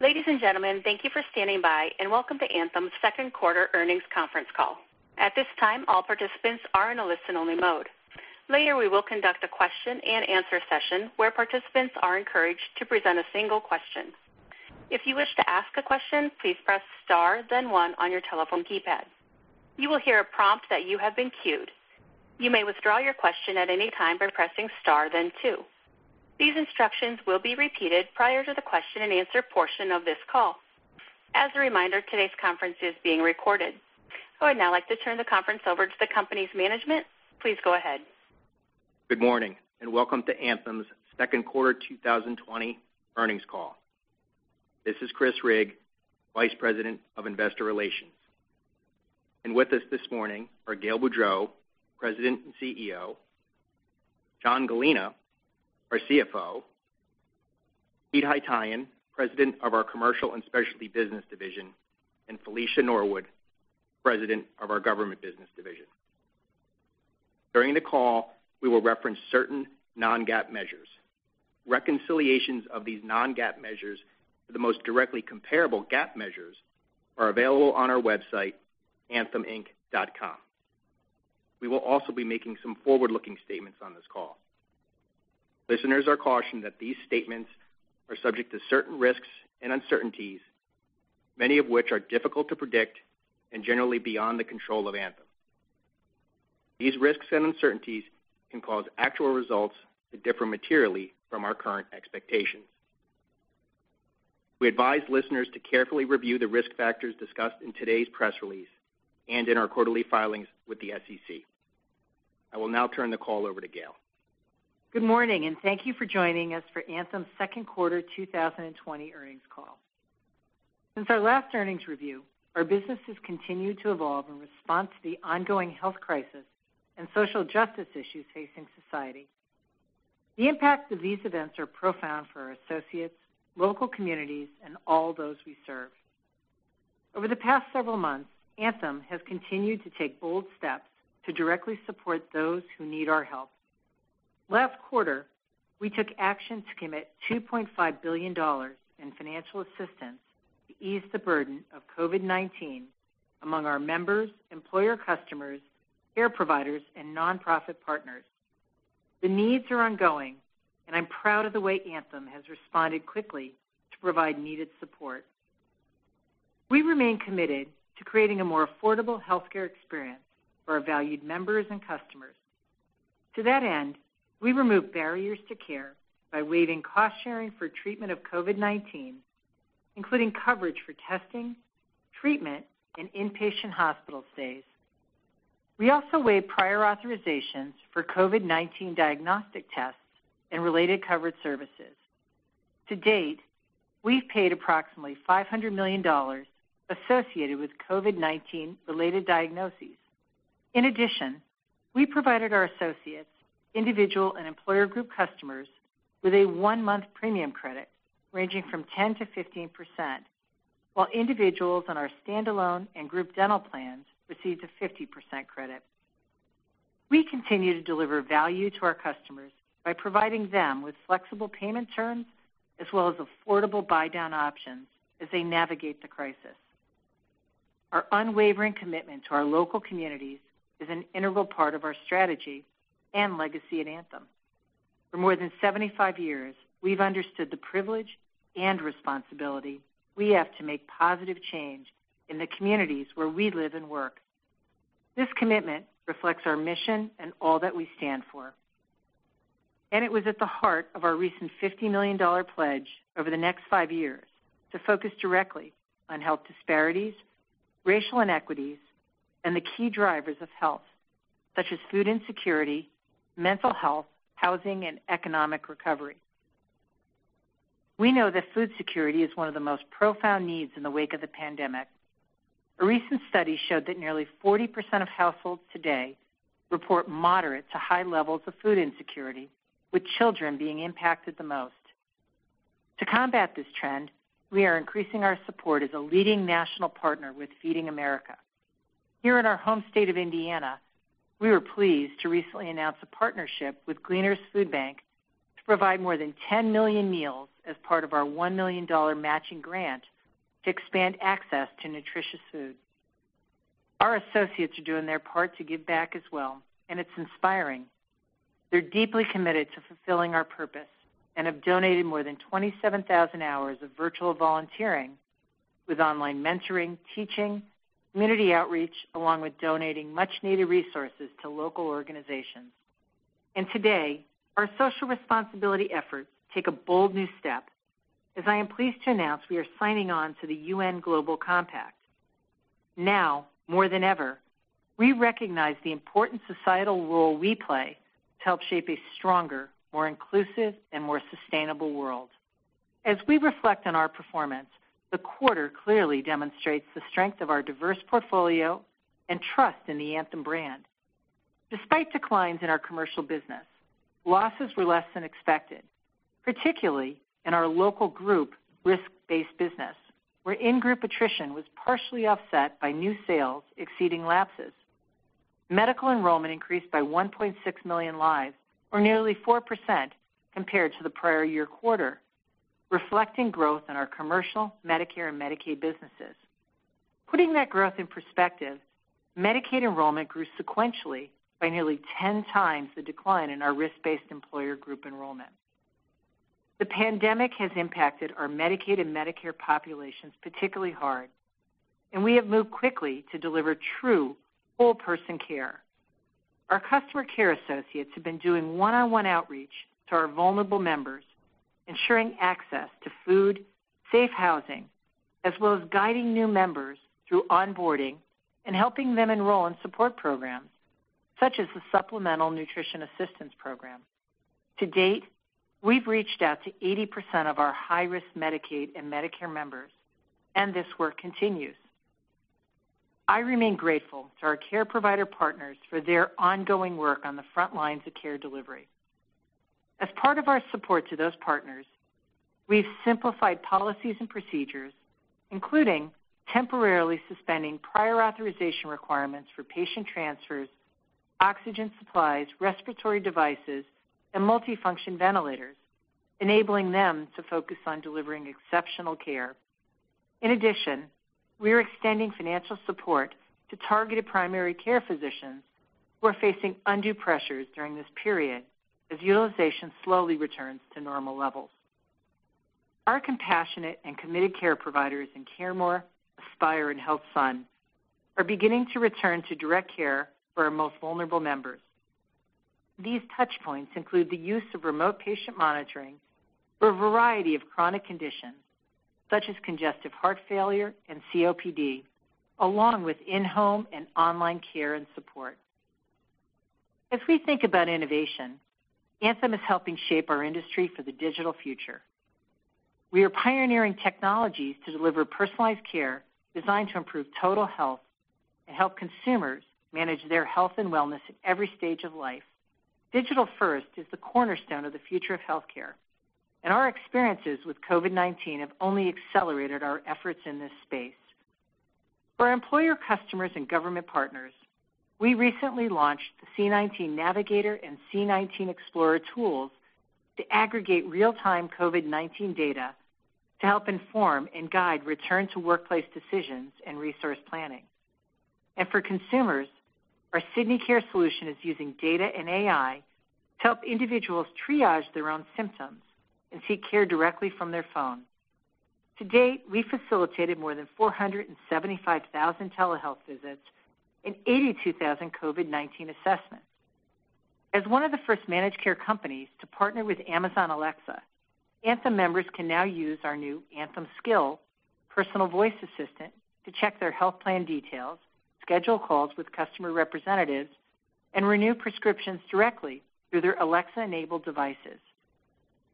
Ladies and gentlemen, thank you for standing by, and welcome to Anthem's second quarter earnings conference call. At this time, all participants are in a listen only mode. Later, we will conduct a question and answer session where participants are encouraged to present a single question. If you wish to ask a question, please press star then one on your telephone keypad. You will hear a prompt that you have been queued. You may withdraw your question at any time by pressing star then two. These instructions will be repeated prior to the question and answer portion of this call. As a reminder, today's conference is being recorded. I would now like to turn the conference over to the company's management. Please go ahead. Good morning, and welcome to Anthem's second quarter 2020 earnings call. This is Chris Rigg, Vice President of Investor Relations. With us this morning are Gail Boudreaux, President and Chief Executive Officer, John Gallina, our Chief Financial Officer, Pete Haytaian, President of our Commercial and Specialty Business division, and Felicia Norwood, President of our Government Business division. During the call, we will reference certain Non-GAAP measures. Reconciliations of these Non-GAAP measures to the most directly comparable GAAP measures are available on our website, antheminc.com. We will also be making some forward-looking statements on this call. Listeners are cautioned that these statements are subject to certain risks and uncertainties, many of which are difficult to predict and generally beyond the control of Anthem. These risks and uncertainties can cause actual results to differ materially from our current expectations. We advise listeners to carefully review the risk factors discussed in today's press release and in our quarterly filings with the SEC. I will now turn the call over to Gail. Good morning. Thank you for joining us for Anthem's second quarter 2020 earnings call. Since our last earnings review, our business has continued to evolve in response to the ongoing health crisis and social justice issues facing society. The impacts of these events are profound for our associates, local communities, and all those we serve. Over the past several months, Anthem has continued to take bold steps to directly support those who need our help. Last quarter, we took action to commit $2.5 billion in financial assistance to ease the burden of COVID-19 among our members, employer customers, care providers, and nonprofit partners. The needs are ongoing, and I'm proud of the way Anthem has responded quickly to provide needed support. We remain committed to creating a more affordable healthcare experience for our valued members and customers. To that end, we remove barriers to care by waiving cost-sharing for treatment of COVID-19, including coverage for testing, treatment, and inpatient hospital stays. We also waive prior authorizations for COVID-19 diagnostic tests and related covered services. To date, we've paid approximately $500 million associated with COVID-19 related diagnoses. In addition, we provided our associates, individual and employer group customers with a one-month premium credit ranging from 10%-15%, while individuals on our standalone and group dental plans received a 50% credit. We continue to deliver value to our customers by providing them with flexible payment terms as well as affordable buy-down options as they navigate the crisis. Our unwavering commitment to our local communities is an integral part of our strategy and legacy at Anthem. For more than 75 years, we've understood the privilege and responsibility we have to make positive change in the communities where we live and work. This commitment reflects our mission and all that we stand for, and it was at the heart of our recent $50 million pledge over the next five years to focus directly on health disparities, racial inequities, and the key drivers of health such as food insecurity, mental health, housing, and economic recovery. We know that food security is one of the most profound needs in the wake of the pandemic. A recent study showed that nearly 40% of households today report moderate to high levels of food insecurity, with children being impacted the most. To combat this trend, we are increasing our support as a leading national partner with Feeding America. Here in our home state of Indiana, we were pleased to recently announce a partnership with Gleaners Food Bank to provide more than 10 million meals as part of our $1 million matching grant to expand access to nutritious food. Our associates are doing their part to give back as well, and it's inspiring. They're deeply committed to fulfilling our purpose and have donated more than 27,000 hours of virtual volunteering with online mentoring, teaching, community outreach, along with donating much needed resources to local organizations. Today, our social responsibility efforts take a bold new step, as I am pleased to announce we are signing on to the UN Global Compact. Now more than ever, we recognize the important societal role we play to help shape a stronger, more inclusive, and more sustainable world. As we reflect on our performance, the quarter clearly demonstrates the strength of our diverse portfolio and trust in the Anthem brand. Despite declines in our commercial business, losses were less than expected, particularly in our local group risk-based business, where in-group attrition was partially offset by new sales exceeding lapses. Medical enrollment increased by 1.6 million lives, or nearly 4% compared to the prior year quarter, reflecting growth in our commercial, Medicare, and Medicaid businesses. Putting that growth in perspective, Medicaid enrollment grew sequentially by nearly 10x the decline in our risk-based employer group enrollment. The pandemic has impacted our Medicaid and Medicare populations particularly hard, and we have moved quickly to deliver true whole-person care. Our customer care associates have been doing one-on-one outreach to our vulnerable members, ensuring access to food, safe housing, as well as guiding new members through onboarding and helping them enroll in support programs, such as the Supplemental Nutrition Assistance Program. To date, we've reached out to 80% of our high-risk Medicaid and Medicare members, and this work continues. I remain grateful to our care provider partners for their ongoing work on the front lines of care delivery. As part of our support to those partners, we've simplified policies and procedures, including temporarily suspending prior authorization requirements for patient transfers, oxygen supplies, respiratory devices, and multifunction ventilators, enabling them to focus on delivering exceptional care. In addition, we are extending financial support to targeted primary care physicians who are facing undue pressures during this period as utilization slowly returns to normal levels. Our compassionate and committed care providers in CareMore, Aspire, and HealthSun are beginning to return to direct care for our most vulnerable members. These touchpoints include the use of remote patient monitoring for a variety of chronic conditions, such as congestive heart failure and COPD, along with in-home and online care and support. As we think about innovation, Anthem is helping shape our industry for the digital future. We are pioneering technologies to deliver personalized care designed to improve total health and help consumers manage their health and wellness at every stage of life. Digital first is the cornerstone of the future of healthcare. Our experiences with COVID-19 have only accelerated our efforts in this space. For our employer customers and government partners, we recently launched the C19 Navigator and C19 Explorer tools to aggregate real-time COVID-19 data to help inform and guide return-to-workplace decisions and resource planning. For consumers, our Sydney Care solution is using data and AI to help individuals triage their own symptoms and seek care directly from their phone. To date, we facilitated more than 475,000 telehealth visits and 82,000 COVID-19 assessments. As one of the first managed care companies to partner with Amazon Alexa, Anthem members can now use our new Anthem Skill personal voice assistant to check their health plan details, schedule calls with customer representatives, and renew prescriptions directly through their Alexa-enabled devices.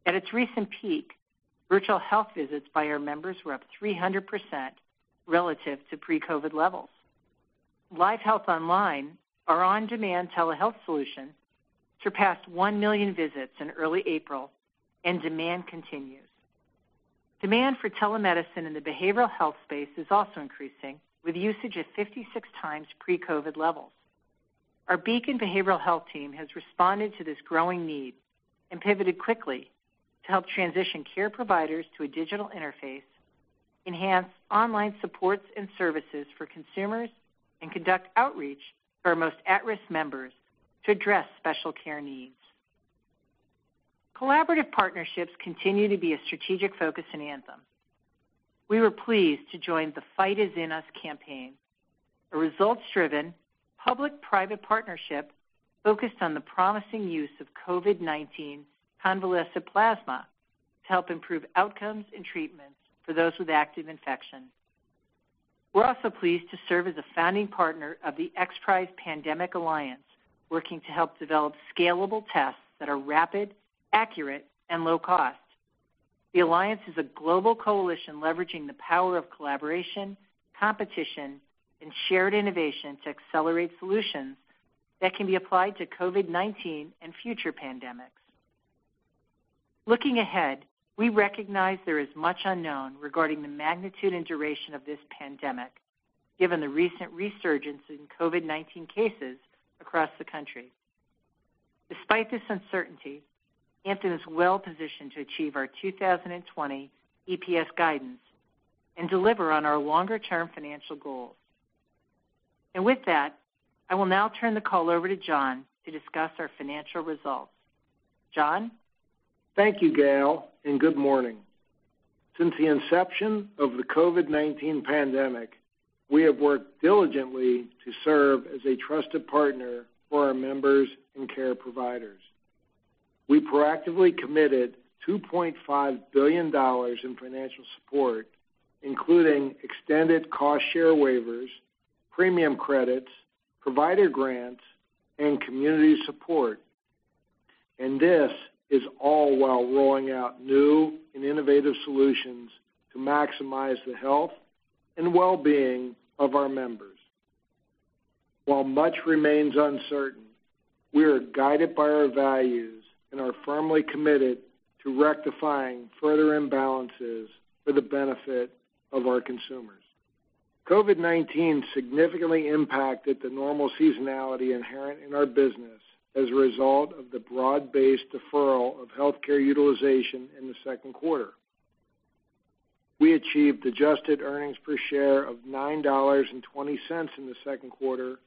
At its recent peak, virtual health visits by our members were up 300% relative to pre-COVID levels. LiveHealth Online, our on-demand telehealth solution, surpassed one million visits in early April, and demand continues. Demand for telemedicine in the behavioral health space is also increasing, with usage at 56x pre-COVID levels. Our Beacon behavioral health team has responded to this growing need and pivoted quickly to help transition care providers to a digital interface, enhance online supports and services for consumers, and conduct outreach for our most at-risk members to address special care needs. Collaborative partnerships continue to be a strategic focus in Anthem. We were pleased to join The Fight Is In Us campaign, a results-driven public-private partnership focused on the promising use of COVID-19 convalescent plasma to help improve outcomes and treatments for those with active infections. We're also pleased to serve as a founding partner of the XPRIZE Pandemic Alliance, working to help develop scalable tests that are rapid, accurate, and low cost. The alliance is a global coalition leveraging the power of collaboration, competition, and shared innovation to accelerate solutions that can be applied to COVID-19 and future pandemics. Looking ahead, we recognize there is much unknown regarding the magnitude and duration of this pandemic, given the recent resurgence in COVID-19 cases across the country. Despite this uncertainty, Anthem is well positioned to achieve our 2020 EPS guidance and deliver on our longer-term financial goals. With that, I will now turn the call over to John to discuss our financial results. John? Thank you, Gail. Good morning. Since the inception of the COVID-19 pandemic, we have worked diligently to serve as a trusted partner for our members and care providers. We proactively committed $2.5 billion in financial support, including extended cost share waivers, premium credits, provider grants, and community support. This is all while rolling out new and innovative solutions to maximize the health and well-being of our members. While much remains uncertain, we are guided by our values and are firmly committed to rectifying further imbalances for the benefit of our consumers. COVID-19 significantly impacted the normal seasonality inherent in our business as a result of the broad-based deferral of healthcare utilization in the second quarter. We achieved adjusted earnings per share of $9.20 in the second quarter,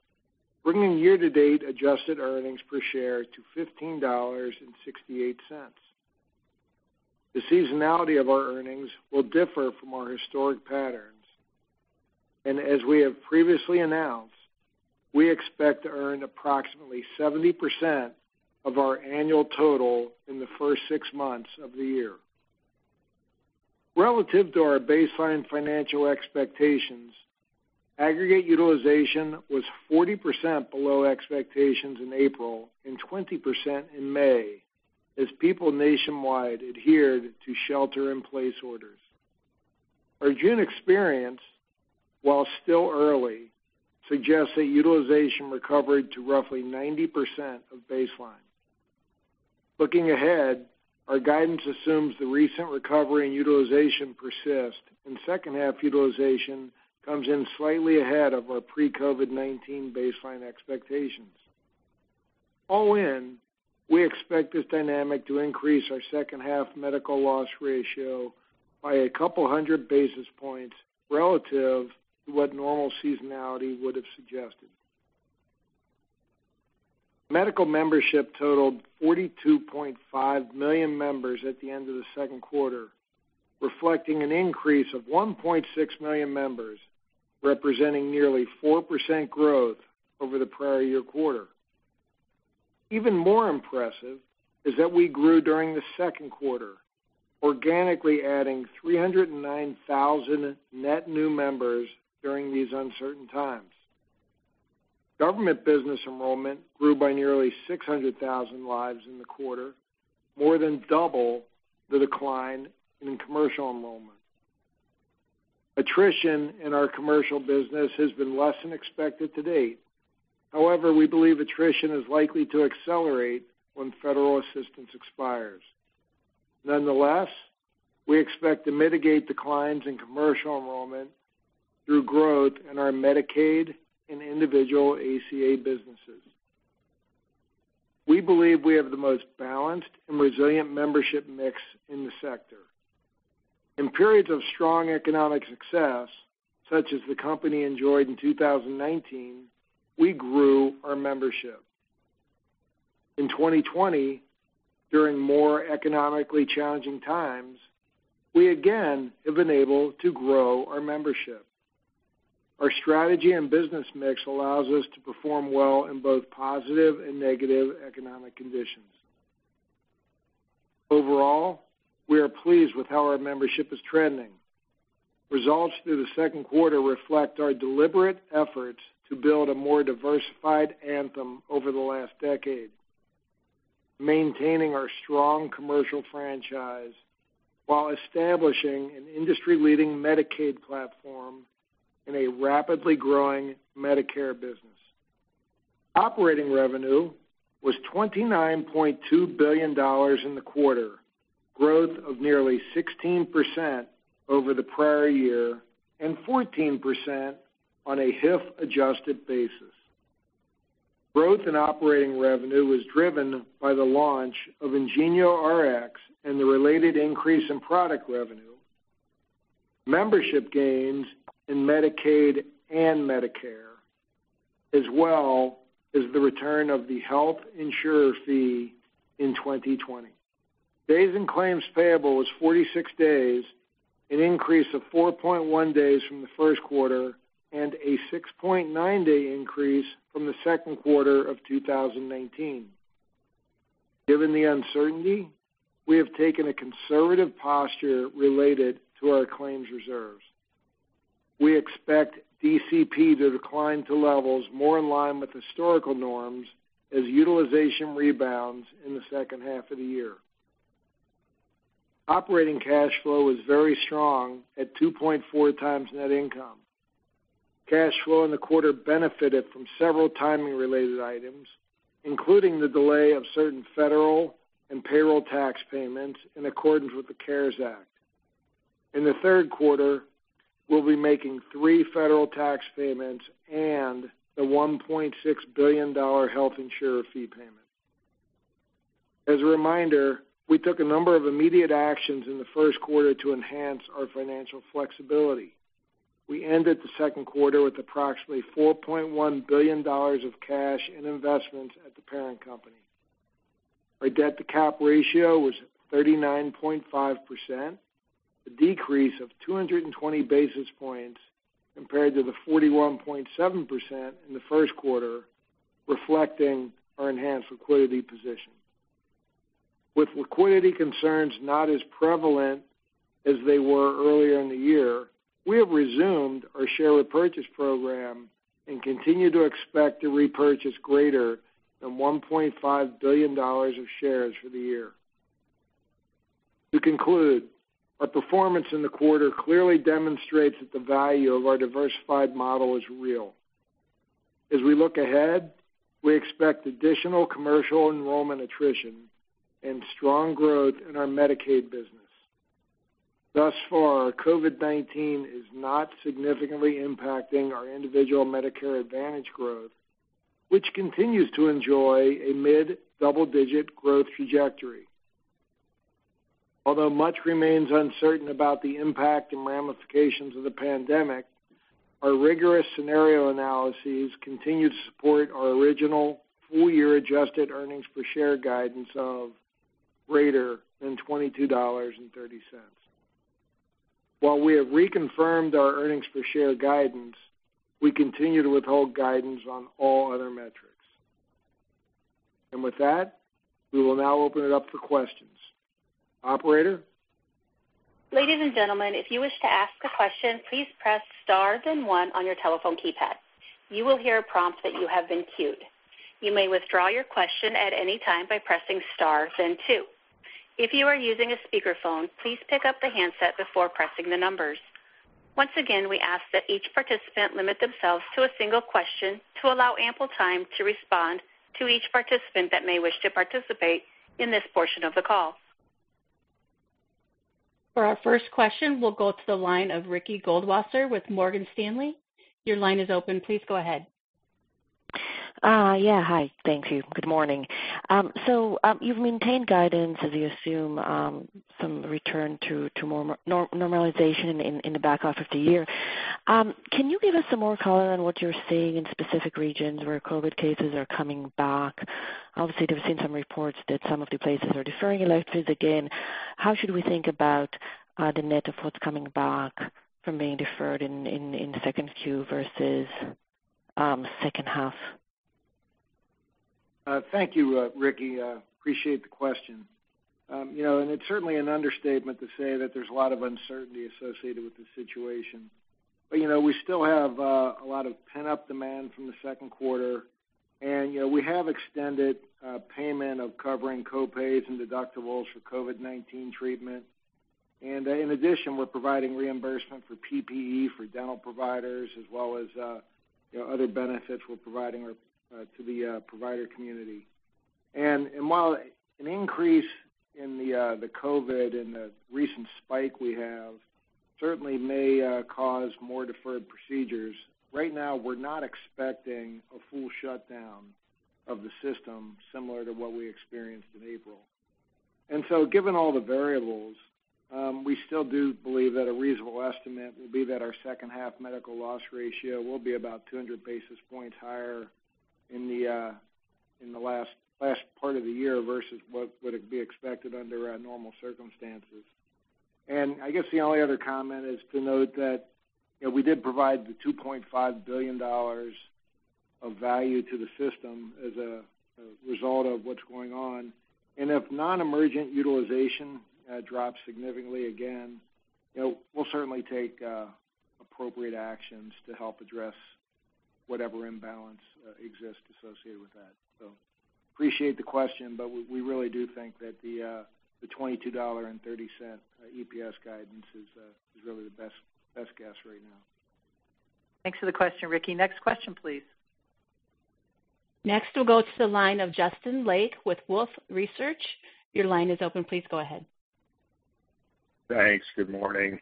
bringing year-to-date adjusted earnings per share to $15.68. The seasonality of our earnings will differ from our historic patterns, and as we have previously announced, we expect to earn approximately 70% of our annual total in the first six months of the year. Relative to our baseline financial expectations, aggregate utilization was 40% below expectations in April and 20% in May, as people nationwide adhered to shelter-in-place orders. Our June experience, while still early, suggests that utilization recovered to roughly 90% of baseline. Looking ahead, our guidance assumes the recent recovery in utilization persists and second half utilization comes in slightly ahead of our pre-COVID-19 baseline expectations. All in, we expect this dynamic to increase our second half medical loss ratio by a couple hundred basis points relative to what normal seasonality would have suggested. Medical membership totaled 42.5 million members at the end of the second quarter, reflecting an increase of 1.6 million members, representing nearly 4% growth over the prior-year quarter. Even more impressive is that we grew during the second quarter, organically adding 309,000 net new members during these uncertain times. Government business enrollment grew by nearly 600,000 lives in the quarter, more than double the decline in commercial enrollment. Attrition in our commercial business has been less than expected to date. However, we believe attrition is likely to accelerate when federal assistance expires. Nonetheless, we expect to mitigate declines in commercial enrollment through growth in our Medicaid and individual ACA businesses. We believe we have the most balanced and resilient membership mix in the sector. In periods of strong economic success, such as the company enjoyed in 2019, we grew our membership. In 2020, during more economically challenging times, we again have been able to grow our membership. Our strategy and business mix allows us to perform well in both positive and negative economic conditions. Overall, we are pleased with how our membership is trending. Results through the second quarter reflect our deliberate efforts to build a more diversified Anthem over the last decade, maintaining our strong commercial franchise while establishing an industry-leading Medicaid platform and a rapidly growing Medicare business. Operating revenue was $29.2 billion in the quarter, growth of nearly 16% over the prior year and 14% on a HIF adjusted basis. Growth in operating revenue was driven by the launch of IngenioRx and the related increase in product revenue, membership gains in Medicaid and Medicare, as well as the return of the health insurer fee in 2020. Days in claims payable is 46 days, an increase of 4.1 days from the first quarter and a 6.9-day increase from the second quarter of 2019. Given the uncertainty, we have taken a conservative posture related to our claims reserves. We expect DCP to decline to levels more in line with historical norms as utilization rebounds in the second half of the year. Operating cash flow was very strong at 2.4x net income. Cash flow in the quarter benefited from several timing related items, including the delay of certain federal and payroll tax payments in accordance with the CARES Act. In the third quarter, we'll be making three federal tax payments and the $1.6 billion health insurer fee payment. As a reminder, we took a number of immediate actions in the first quarter to enhance our financial flexibility. We ended the second quarter with approximately $4.1 billion of cash and investments at the parent company. Our debt-to-cap ratio was 39.5%, a decrease of 220 basis points compared to the 41.7% in the first quarter, reflecting our enhanced liquidity position. With liquidity concerns not as prevalent as they were earlier in the year, we have resumed our share repurchase program and continue to expect to repurchase greater than $1.5 billion of shares for the year. To conclude, our performance in the quarter clearly demonstrates that the value of our diversified model is real. As we look ahead, we expect additional commercial enrollment attrition and strong growth in our Medicaid business. Thus far, COVID-19 is not significantly impacting our individual Medicare Advantage growth, which continues to enjoy a mid-double-digit growth trajectory. Although much remains uncertain about the impact and ramifications of the pandemic, our rigorous scenario analyses continue to support our original full-year adjusted earnings per share guidance of greater than $22.30. While we have reconfirmed our earnings per share guidance, we continue to withhold guidance on all other metrics. With that, we will now open it up for questions. Operator? Ladies and gentlemen, if you wish to ask a question, please press star then one on your telephone keypad. You will hear a prompt that you have been queued. You may withdraw your question at any time by pressing star then two. If you are using a speakerphone, please pick up the handset before pressing the numbers. Once again, we ask that each participant limit themselves to a single question to allow ample time to respond to each participant that may wish to participate in this portion of the call. For our first question, we'll go to the line of Ricky Goldwasser with Morgan Stanley. Your line is open. Please go ahead. Yeah. Hi. Thank you. Good morning. You've maintained guidance as you assume some return to normalization in the back half of the year. Can you give us some more color on what you're seeing in specific regions where COVID cases are coming back? Obviously, we've seen some reports that some of the places are deferring electives again. How should we think about the net of what's coming back from being deferred in the second Q versus second half? Thank you, Ricky. Appreciate the question. It's certainly an understatement to say that there's a lot of uncertainty associated with this situation. We still have a lot of pent-up demand from the second quarter, and we have extended payment of covering co-pays and deductibles for COVID-19 treatment. In addition, we're providing reimbursement for PPE for dental providers, as well as other benefits we're providing to the provider community. While an increase in the COVID and the recent spike we have certainly may cause more deferred procedures, right now we're not expecting a full shutdown of the system similar to what we experienced in April. Given all the variables, we still do believe that a reasonable estimate will be that our second half medical loss ratio will be about 200 basis points higher in the last part of the year versus what would be expected under normal circumstances. I guess the only other comment is to note that we did provide the $2.5 billion of value to the system as a result of what's going on. If non-emergent utilization drops significantly again, we'll certainly take appropriate actions to help address whatever imbalance exists associated with that. Appreciate the question, but we really do think that the $22.30 EPS guidance is really the best guess right now. Thanks for the question, Ricky. Next question please. Next, we'll go to the line of Justin Lake with Wolfe Research. Your line is open. Please go ahead. Thanks. Good morning.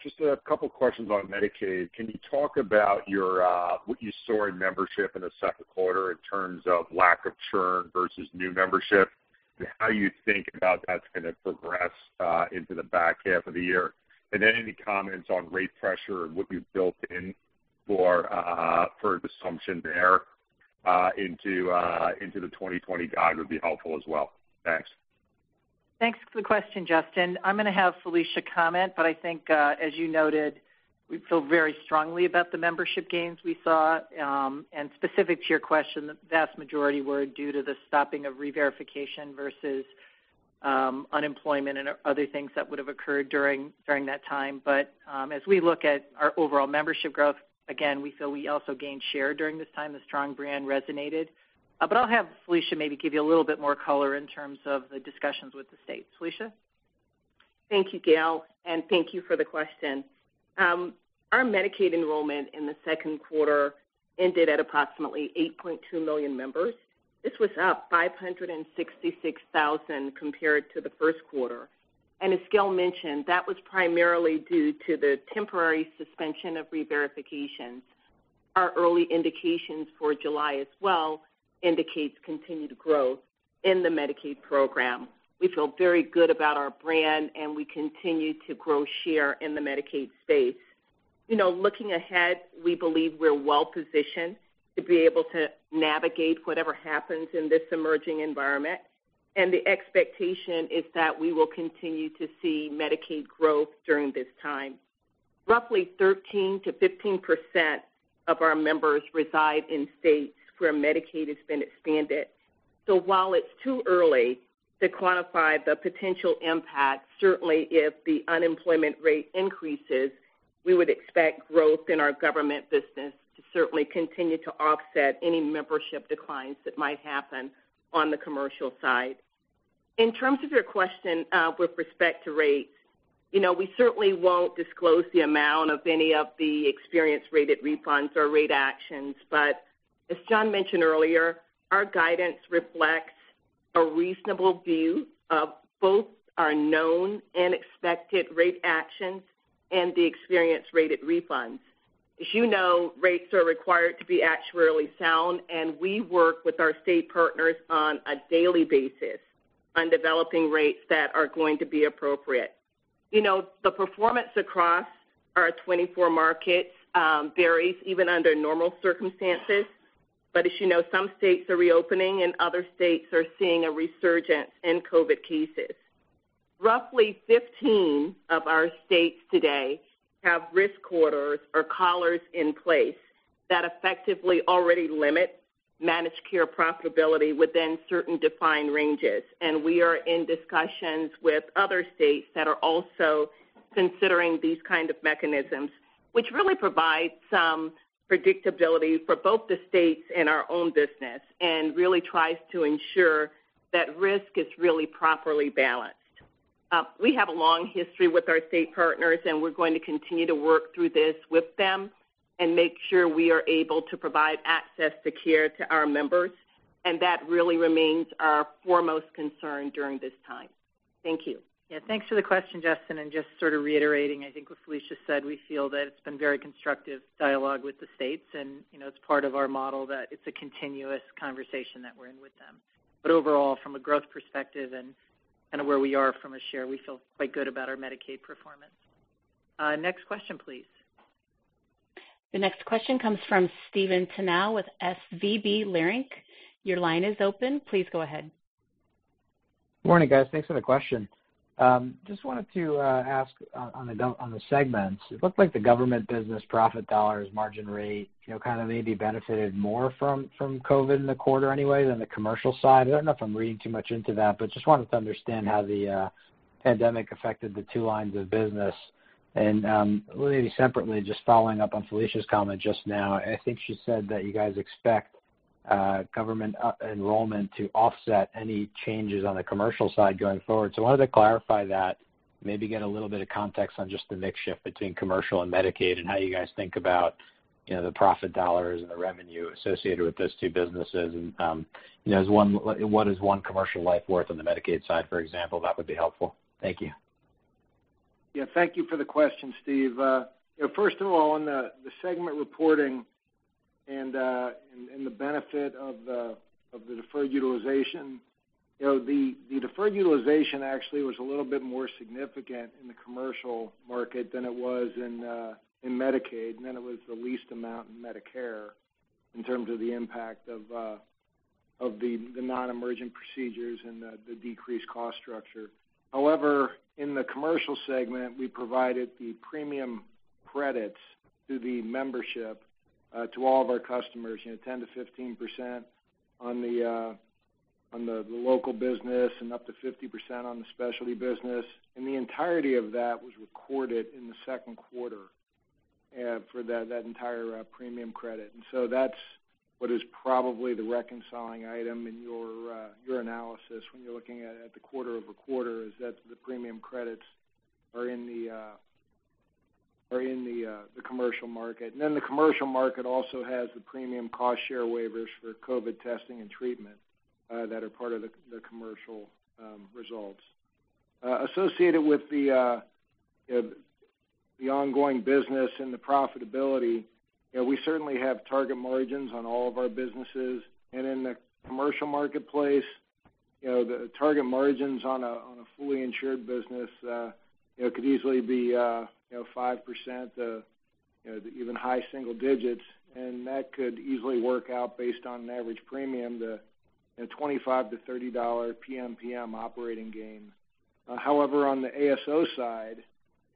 Just a couple questions on Medicaid. Can you talk about what you saw in membership in the second quarter in terms of lack of churn versus new membership, and how you think about that's going to progress into the back half of the year? Any comments on rate pressure and what you've built in for assumption there into the 2020 guide would be helpful as well. Thanks. Thanks for the question, Justin. I'm going to have Felicia comment, but I think, as you noted, we feel very strongly about the membership gains we saw. Specific to your question, the vast majority were due to the stopping of reverification versus unemployment and other things that would have occurred during that time. As we look at our overall membership growth, again, we feel we also gained share during this time. The strong brand resonated. I'll have Felicia maybe give you a little bit more color in terms of the discussions with the state. Felicia? Thank you, Gail. Thank you for the question. Our Medicaid enrollment in the second quarter ended at approximately 8.2 million members. This was up 566,000 compared to the first quarter. As Gail mentioned, that was primarily due to the temporary suspension of reverifications. Our early indications for July as well indicates continued growth in the Medicaid program. We feel very good about our brand, and we continue to grow share in the Medicaid space. Looking ahead, we believe we're well-positioned to be able to navigate whatever happens in this emerging environment, and the expectation is that we will continue to see Medicaid growth during this time. Roughly 13%-15% of our members reside in states where Medicaid has been expanded. While it's too early to quantify the potential impact, certainly if the unemployment rate increases, we would expect growth in our government business to certainly continue to offset any membership declines that might happen on the commercial side. In terms of your question with respect to rates, we certainly won't disclose the amount of any of the experience rated refunds or rate actions, but as John mentioned earlier, our guidance reflects a reasonable view of both our known and expected rate actions and the experience rated refunds. As you know, rates are required to be actuarially sound, and we work with our state partners on a daily basis on developing rates that are going to be appropriate. The performance across our 24 markets varies even under normal circumstances, but as you know, some states are reopening and other states are seeing a resurgence in COVID-19 cases. Roughly 15 of our states today have risk corridors or collars in place that effectively already limit managed care profitability within certain defined ranges. We are in discussions with other states that are also considering these kind of mechanisms, which really provides some predictability for both the states and our own business, really tries to ensure that risk is really properly balanced. We have a long history with our state partners, and we're going to continue to work through this with them and make sure we are able to provide access to care to our members, that really remains our foremost concern during this time. Thank you. Yeah, thanks for the question, Justin. Just sort of reiterating, I think what Felicia said, we feel that it's been very constructive dialogue with the states, and it's part of our model that it's a continuous conversation that we're in with them. Overall, from a growth perspective and where we are from a share, we feel quite good about our Medicaid performance. Next question, please. The next question comes from Stephen Tanal with SVB Leerink. Your line is open. Please go ahead. Morning, guys. Thanks for the question. Just wanted to ask on the segments. It looked like the government business profit dollars margin rate maybe benefited more from COVID in the quarter anyway, than the commercial side. I don't know if I'm reading too much into that, but just wanted to understand how the pandemic affected the two lines of business. Maybe separately, just following up on Felicia Norwood's comment just now, I think she said that you guys expect government enrollment to offset any changes on the commercial side going forward. I wanted to clarify that, maybe get a little bit of context on just the mix shift between commercial and Medicaid, and how you guys think about the profit dollars and the revenue associated with those two businesses, and what is 1 commercial life worth on the Medicaid side, for example? That would be helpful. Thank you. Yeah. Thank you for the question, Steve. First of all, on the segment reporting and the benefit of the deferred utilization. The deferred utilization actually was a little bit more significant in the commercial market than it was in Medicaid, and then it was the least amount in Medicare in terms of the impact of the non-emergent procedures and the decreased cost structure. However, in the commercial segment, we provided the premium credits through the membership to all of our customers, 10%-15% on the local business and up to 50% on the specialty business. The entirety of that was recorded in the second quarter for that entire premium credit. That's what is probably the reconciling item in your analysis when you're looking at the quarter-over-quarter is that the premium credits are in the commercial market. The commercial market also has the premium cost share waivers for COVID testing and treatment that are part of the commercial results. Associated with the ongoing business and the profitability, we certainly have target margins on all of our businesses. In the commercial marketplace, the target margins on a fully insured business could easily be 5%, even high single digits. That could easily work out based on an average premium to $25-$30 Per Member Per Month operating gains. However, on the ASO side,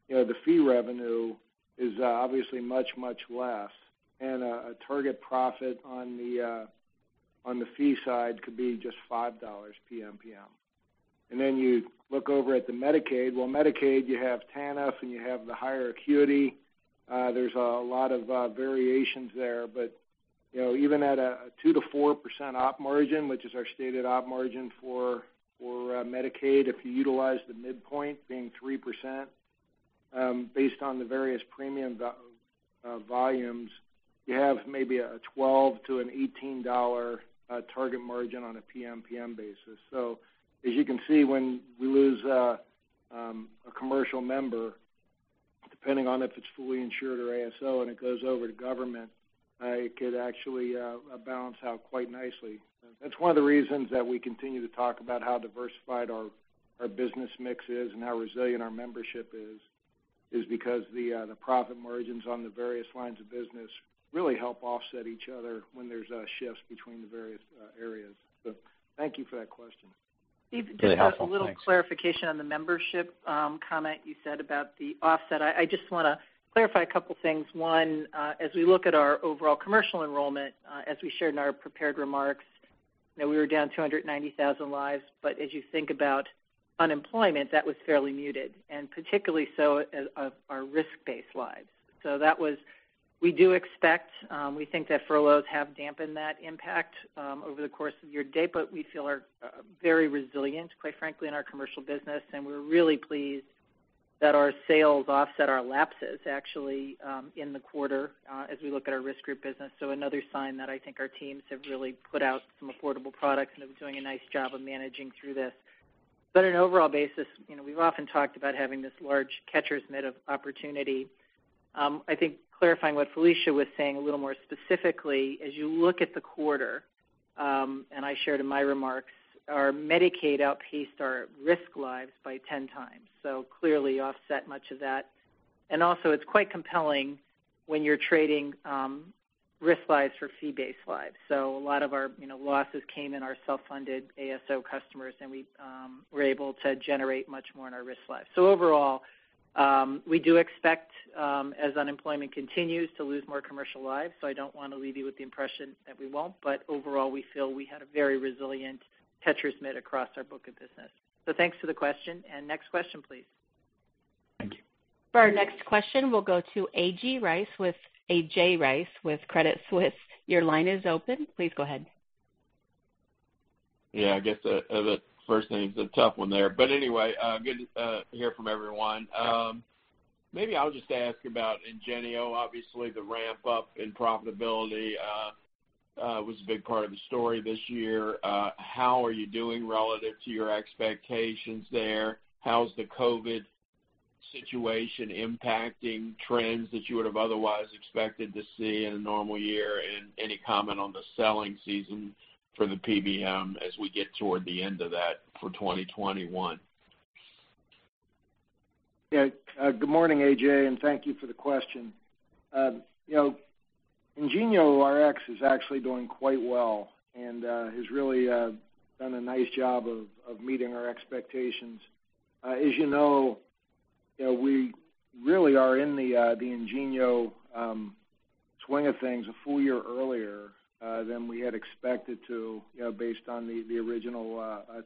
the fee revenue is obviously much, much less, and a target profit on the fee side could be just $5 Per Member Per Month. You look over at the Medicaid. Well, Medicaid, you have TANF and you have the higher acuity. There's a lot of variations there. Even at a 2%-4% op margin, which is our stated op margin for Medicaid, if you utilize the midpoint being 3%, based on the various premium volumes, you have maybe a $12-$18 target margin on a PMPM basis. As you can see, when we lose a commercial member, depending on if it's fully insured or ASO and it goes over to government, it could actually balance out quite nicely. That's one of the reasons that we continue to talk about how diversified our business mix is and how resilient our membership is because the profit margins on the various lines of business really help offset each other when there's shifts between the various areas. Thank you for that question. Steve, just a little clarification on the membership comment you said about the offset. I just want to clarify a couple of things. One, as we look at our overall commercial enrollment, as we shared in our prepared remarks. Now we were down 290,000 lives, but as you think about unemployment, that was fairly muted, and particularly so our risk-based lives. We think that furloughs have dampened that impact over the course of your day, but we feel are very resilient, quite frankly, in our commercial business, and we're really pleased that our sales offset our lapses, actually, in the quarter, as we look at our risk group business. Another sign that I think our teams have really put out some affordable products and have been doing a nice job of managing through this. On an overall basis, we've often talked about having this large catcher's mitt of opportunity. I think clarifying what Felicia was saying a little more specifically, as you look at the quarter, and I shared in my remarks, our Medicaid outpaced our risk lives by 10x, so clearly offset much of that. Also it's quite compelling when you're trading risk lives for fee-based lives. A lot of our losses came in our self-funded ASO customers, and we were able to generate much more in our risk lives. Overall, we do expect, as unemployment continues, to lose more commercial lives. I don't want to leave you with the impression that we won't, but overall, we feel we had a very resilient catcher's mitt across our book of business. Thanks for the question, and next question, please. Thank you. For our next question, we'll go to A.J. Rice with Credit Suisse. Your line is open. Please go ahead. Yeah, I guess the first name's a tough one there. Anyway, good to hear from everyone. Yeah. I'll just ask about IngenioRx. Obviously, the ramp up in profitability was a big part of the story this year. How are you doing relative to your expectations there? How's the COVID situation impacting trends that you would have otherwise expected to see in a normal year? Any comment on the selling season for the PBM as we get toward the end of that for 2021? Good morning, A.J., thank you for the question. IngenioRx is actually doing quite well and has really done a nice job of meeting our expectations. As you know, we really are in the IngenioRx swing of things a full year earlier than we had expected to based on the original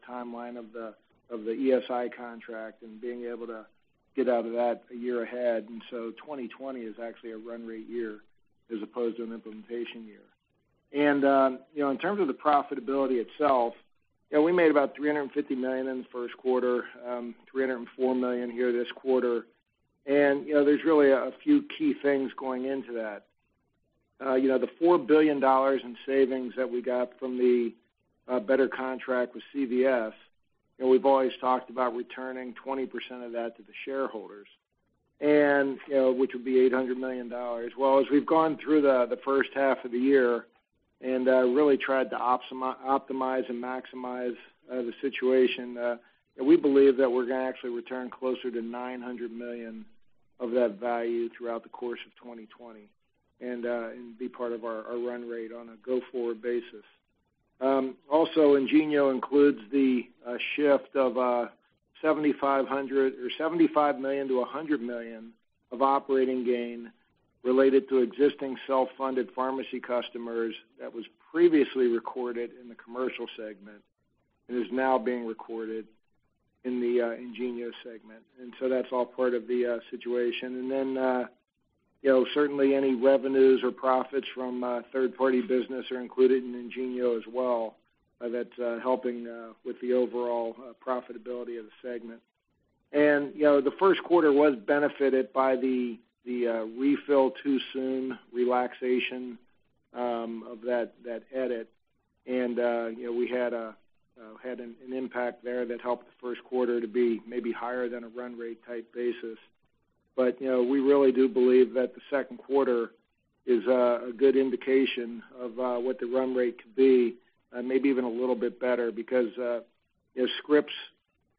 timeline of the ESI contract and being able to get out of that a year ahead. 2020 is actually a run rate year as opposed to an implementation year. In terms of the profitability itself, we made about $350 million in the first quarter, $304 million here this quarter, and there's really a few key things going into that. The $4 billion in savings that we got from the better contract with CVS, we've always talked about returning 20% of that to the shareholders, which would be $800 million. Well, as we've gone through the first half of the year and really tried to optimize and maximize the situation, we believe that we're going to actually return closer to $900 million of that value throughout the course of 2020 and be part of our run rate on a go-forward basis. Also, IngenioRx includes the shift of $7,500 or $75 million-$100 million of operating gain related to existing self-funded pharmacy customers that was previously recorded in the commercial segment and is now being recorded in the IngenioRx segment. That's all part of the situation. Certainly any revenues or profits from third-party business are included in IngenioRx as well, that's helping with the overall profitability of the segment. The first quarter was benefited by the refill too soon relaxation of that edit, we had an impact there that helped the first quarter to be maybe higher than a run rate type basis. We really do believe that the second quarter is a good indication of what the run rate could be, maybe even a little bit better because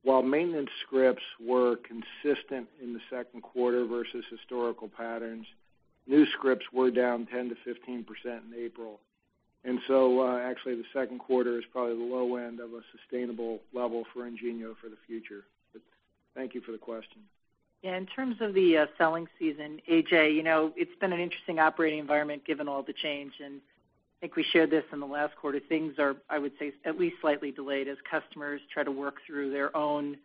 while maintenance scripts were consistent in the second quarter versus historical patterns, new scripts were down 10%-15% in April. Actually the second quarter is probably the low end of a sustainable level for IngenioRx for the future. Thank you for the question. Yeah, in terms of the selling season, A.J., it's been an interesting operating environment given all the change, and I think we shared this in the last quarter. Things are, I would say, at least slightly delayed as customers try to work through their own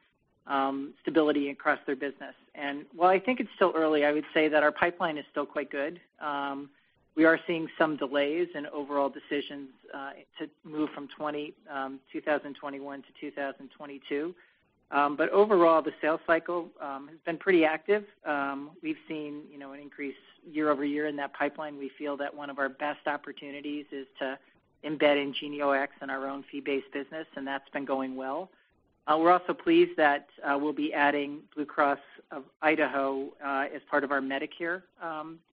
stability across their business. While I think it's still early, I would say that our pipeline is still quite good. We are seeing some delays in overall decisions to move from 2021-2022. Overall, the sales cycle has been pretty active. We've seen an increase year-over-year in that pipeline. We feel that one of our best opportunities is to embed IngenioRx in our own fee-based business, and that's been going well. We're also pleased that we'll be adding Blue Cross of Idaho as part of our Medicare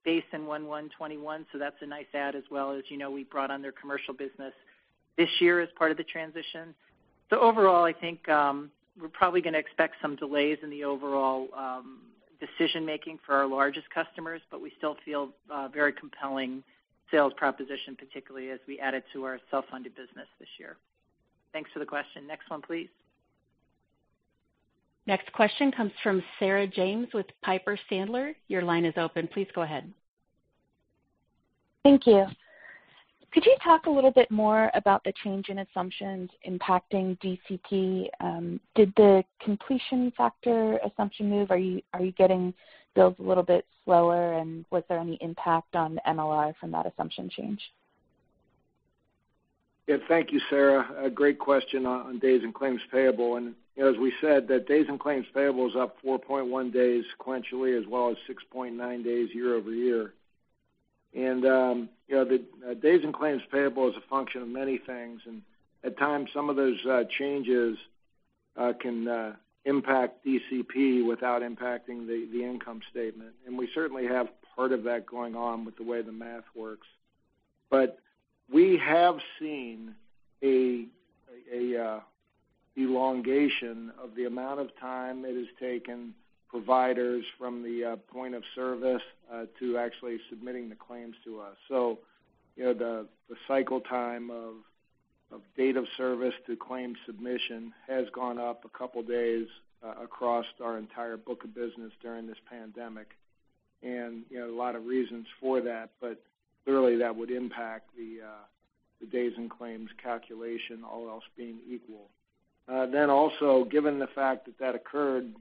base in January 1st, 2021, so that's a nice add as well. As you know, we brought on their commercial business this year as part of the transition. Overall, I think we're probably going to expect some delays in the overall decision making for our largest customers, but we still feel very compelling sales proposition, particularly as we add it to our self-funded business this year. Thanks for the question. Next one, please. Next question comes from Sarah James with Piper Sandler. Your line is open. Please go ahead. Thank you. Could you talk a little bit more about the change in assumptions impacting DCP? Did the completion factor assumption move? Are you getting bills a little bit slower, and was there any impact on the MLR from that assumption change? Yeah. Thank you, Sarah. A great question on days and claims payable. As we said that days and claims payable is up 4.1 days sequentially as well as 6.9 days year-over-year. The days and claims payable is a function of many things, and at times some of those changes can impact DCP without impacting the income statement. We certainly have part of that going on with the way the math works. We have seen a elongation of the amount of time it has taken providers from the point of service, to actually submitting the claims to us. The cycle time of date of service to claim submission has gone up a couple of days across our entire book of business during this pandemic. A lot of reasons for that, but clearly that would impact the days and claims calculation, all else being equal. Also, given the fact that that occurred,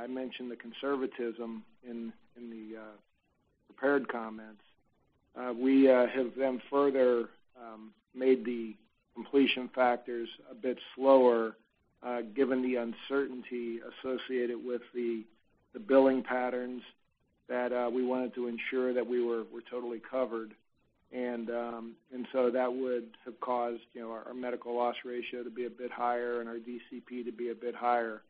I mentioned the conservatism in the prepared comments. We have then further made the completion factors a bit slower, given the uncertainty associated with the billing patterns that we wanted to ensure that we were totally covered. That would have caused our medical loss ratio to be a bit higher and our DCP to be a bit higher.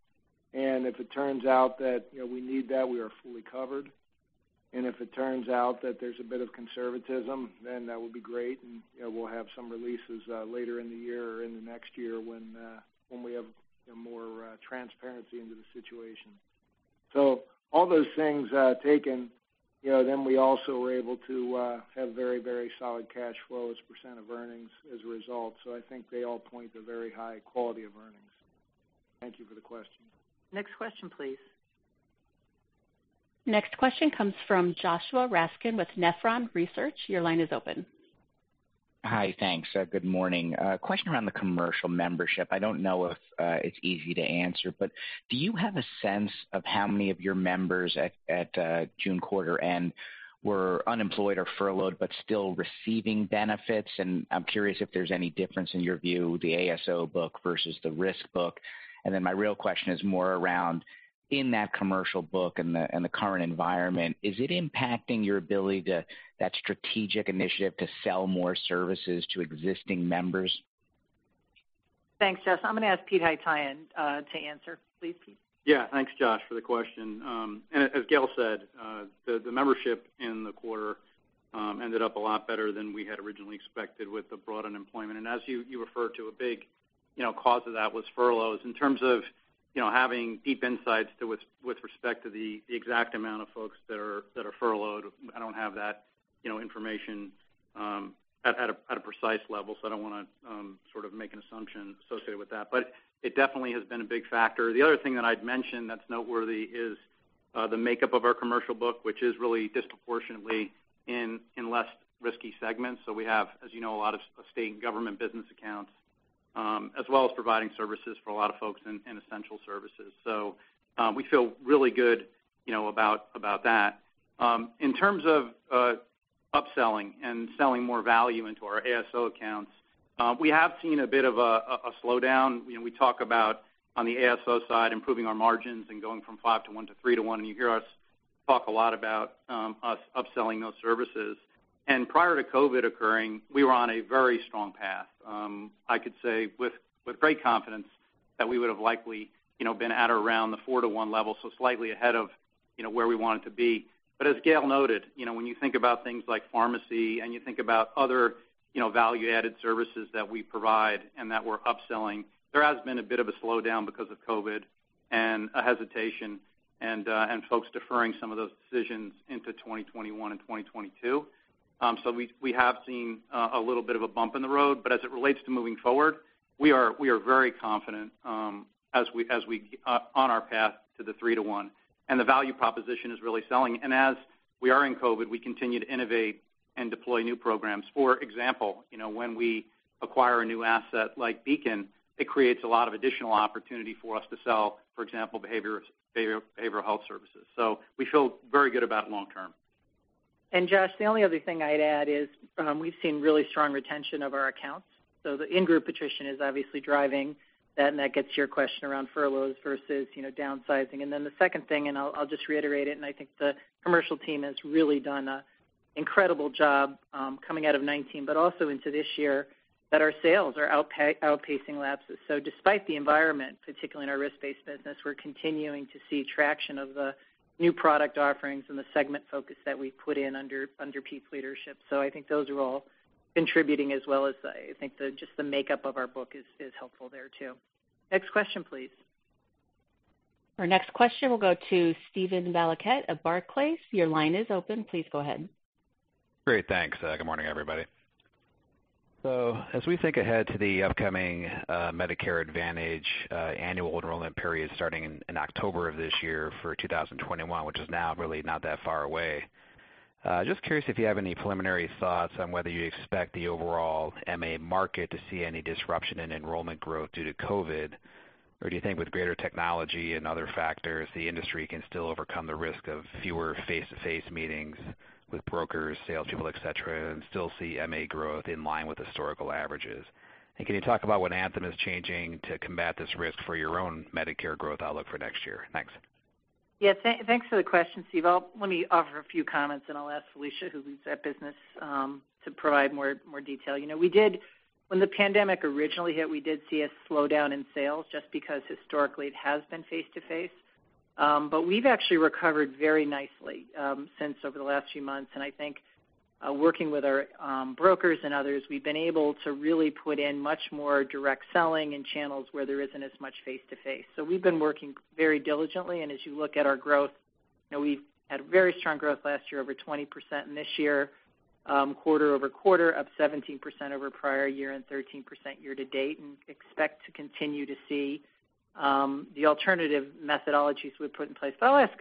If it turns out that we need that, we are fully covered. If it turns out that there's a bit of conservatism, then that would be great, and we'll have some releases later in the year or in the next year when we have more transparency into the situation. All those things taken, then we also were able to have very solid cash flows, percent of earnings as a result. I think they all point to very high quality of earnings. Thank you for the question. Next question, please. Next question comes from Joshua Raskin with Nephron Research. Your line is open. Hi. Thanks. Good morning. A question around the commercial membership. I don't know if it's easy to answer, but do you have a sense of how many of your members at June quarter end were unemployed or furloughed but still receiving benefits? I'm curious if there's any difference in your view with the ASO book versus the risk book. My real question is more around in that commercial book and the current environment, is it impacting your ability to that strategic initiative to sell more services to existing members? Thanks, Joshua. I'm going to ask Pete Haytaian to answer. Please, Pete. Yeah. Thanks, Joshua, for the question. As Gail said, the membership in the quarter ended up a lot better than we had originally expected with the broad unemployment. As you referred to, a big cause of that was furloughs. In terms of having deep insights with respect to the exact amount of folks that are furloughed, I don't have that information at a precise level, so I don't want to make an assumption associated with that. It definitely has been a big factor. The other thing that I'd mention that's noteworthy is the makeup of our commercial book, which is really disproportionately in less risky segments. We have, as you know, a lot of state and government business accounts, as well as providing services for a lot of folks in essential services. We feel really good about that. In terms of upselling and selling more value into our ASO accounts, we have seen a bit of a slowdown. We talk about on the ASO side, improving our margins and going from 5:1 to 3:1, and you hear us talk a lot about us upselling those services. Prior to COVID occurring, we were on a very strong path. I could say with great confidence that we would have likely been at or around the 4:1 level, so slightly ahead of where we wanted to be. As Gail noted, when you think about things like pharmacy and you think about other value-added services that we provide and that we're upselling, there has been a bit of a slowdown because of COVID and a hesitation and folks deferring some of those decisions into 2021 and 2022. We have seen a little bit of a bump in the road, but as it relates to moving forward, we are very confident on our path to the 3:1, and the value proposition is really selling. As we are in COVID, we continue to innovate and deploy new programs. For example, when we acquire a new asset like Beacon, it creates a lot of additional opportunity for us to sell, for example, behavioral health services. We feel very good about long term. Joshua, the only other thing I'd add is, we've seen really strong retention of our accounts. The in-group attrition is obviously driving that, and that gets to your question around furloughs versus downsizing. The second thing, I'll just reiterate it, and I think the commercial team has really done an incredible job coming out of 2019 but also into this year, that our sales are outpacing lapses. Despite the environment, particularly in our risk-based business, we're continuing to see traction of the new product offerings and the segment focus that we've put in under Pete's leadership. I think those are all contributing as well as I think just the makeup of our book is helpful there too. Next question, please. Our next question will go to Steven Valiquette of Barclays. Your line is open. Please go ahead. Great. Thanks. Good morning, everybody. As we think ahead to the upcoming Medicare Advantage annual enrollment period starting in October of this year for 2021, which is now really not that far away, just curious if you have any preliminary thoughts on whether you expect the overall MA market to see any disruption in enrollment growth due to COVID? Do you think with greater technology and other factors, the industry can still overcome the risk of fewer face-to-face meetings with brokers, salespeople, et cetera, and still see MA growth in line with historical averages? Can you talk about what Anthem is changing to combat this risk for your own Medicare growth outlook for next year? Thanks. Yes. Thanks for the question, Steve. Let me offer a few comments, and I'll ask Felicia, who leads that business, to provide more detail. When the pandemic originally hit, we did see a slowdown in sales, just because historically it has been face-to-face. We've actually recovered very nicely since over the last few months. I think working with our brokers and others, we've been able to really put in much more direct selling in channels where there isn't as much face-to-face. We've been working very diligently, and as you look at our growth, we've had very strong growth last year, over 20%, and this year, quarter-over-quarter, up 17% over prior year and 13% year-to-date, and expect to continue to see the alternative methodologies we've put in place. I'll ask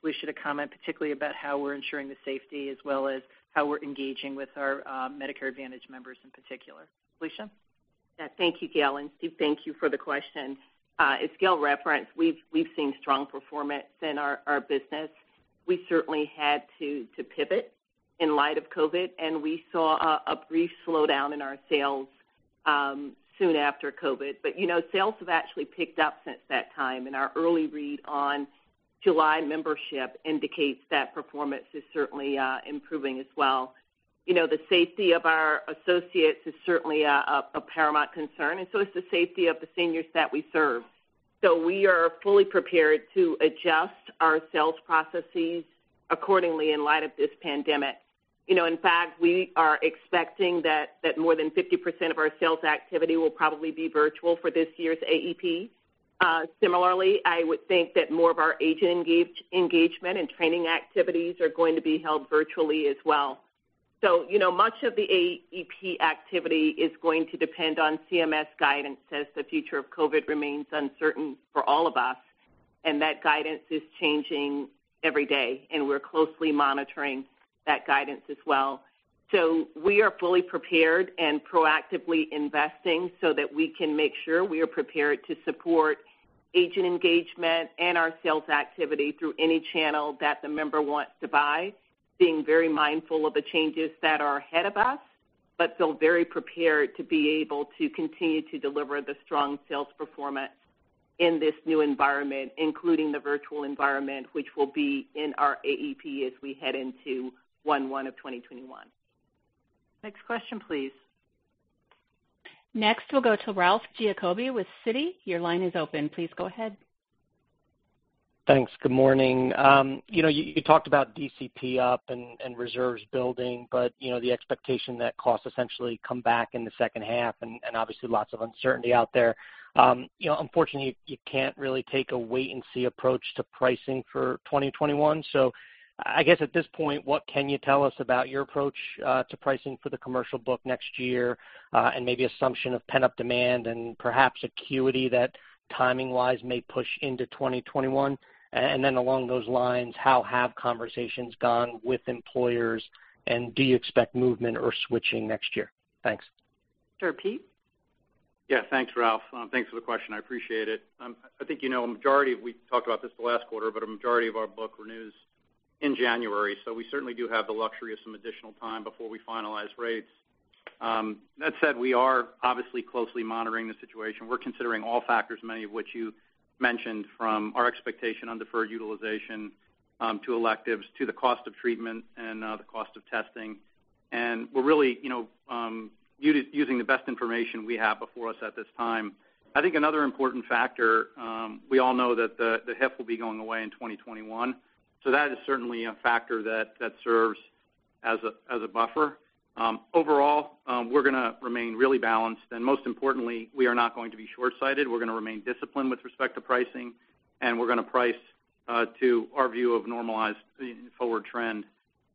Felicia to comment particularly about how we're ensuring the safety as well as how we're engaging with our Medicare Advantage members in particular. Felicia? Thank you, Gail, and Steve, thank you for the question. As Gail referenced, we've seen strong performance in our business. We certainly had to pivot in light of COVID-19, and we saw a brief slowdown in our sales soon after COVID-19. Sales have actually picked up since that time, and our early read on July membership indicates that performance is certainly improving as well. The safety of our associates is certainly of paramount concern, and so is the safety of the seniors that we serve. We are fully prepared to adjust our sales processes accordingly in light of this pandemic. In fact, we are expecting that more than 50% of our sales activity will probably be virtual for this year's AEP. Similarly, I would think that more of our agent engagement and training activities are going to be held virtually as well. Much of the AEP activity is going to depend on CMS guidance, as the future of COVID-19 remains uncertain for all of us, and that guidance is changing every day, and we're closely monitoring that guidance as well. We are fully prepared and proactively investing so that we can make sure we are prepared to support agent engagement and our sales activity through any channel that the member wants to buy, being very mindful of the changes that are ahead of us, but feel very prepared to be able to continue to deliver the strong sales performance in this new environment, including the virtual environment, which will be in our AEP as we head into January 1st, 2021. Next question, please. Next, we'll go to Ralph Giacobbe with Citi. Your line is open. Please go ahead. Thanks. Good morning. You talked about DCP up and reserves building, the expectation that costs essentially come back in the second half, and obviously lots of uncertainty out there. Unfortunately, you can't really take a wait and see approach to pricing for 2021. I guess at this point, what can you tell us about your approach to pricing for the commercial book next year? Maybe assumption of pent-up demand and perhaps acuity that timing-wise may push into 2021. Along those lines, how have conversations gone with employers, and do you expect movement or switching next year? Thanks. Sure, Pete? Yeah. Thanks, Ralph. Thanks for the question. I appreciate it. I think you know, we talked about this the last quarter, but a majority of our book renews in January, so we certainly do have the luxury of some additional time before we finalize rates. That said, we are obviously closely monitoring the situation. We're considering all factors, many of which you mentioned, from our expectation on deferred utilization to electives to the cost of treatment and the cost of testing. We're really using the best information we have before us at this time. I think another important factor, we all know that the HIF will be going away in 2021. That is certainly a factor that serves as a buffer. Overall, we're going to remain really balanced, and most importantly, we are not going to be shortsighted. We're going to remain disciplined with respect to pricing, and we're going to price to our view of normalized forward trend.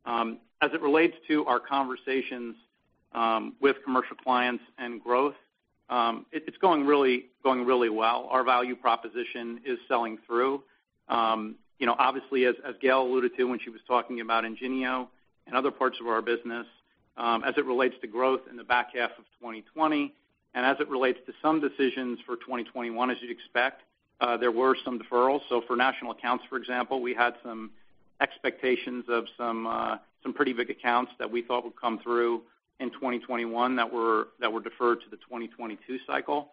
As it relates to our conversations with commercial clients and growth, it's going really well. Our value proposition is selling through. Obviously, as Gail alluded to when she was talking about IngenioRx and other parts of our business, as it relates to growth in the back half of 2020, and as it relates to some decisions for 2021, as you'd expect, there were some deferrals. For national accounts, for example, we had some expectations of some pretty big accounts that we thought would come through in 2021 that were deferred to the 2022 cycle.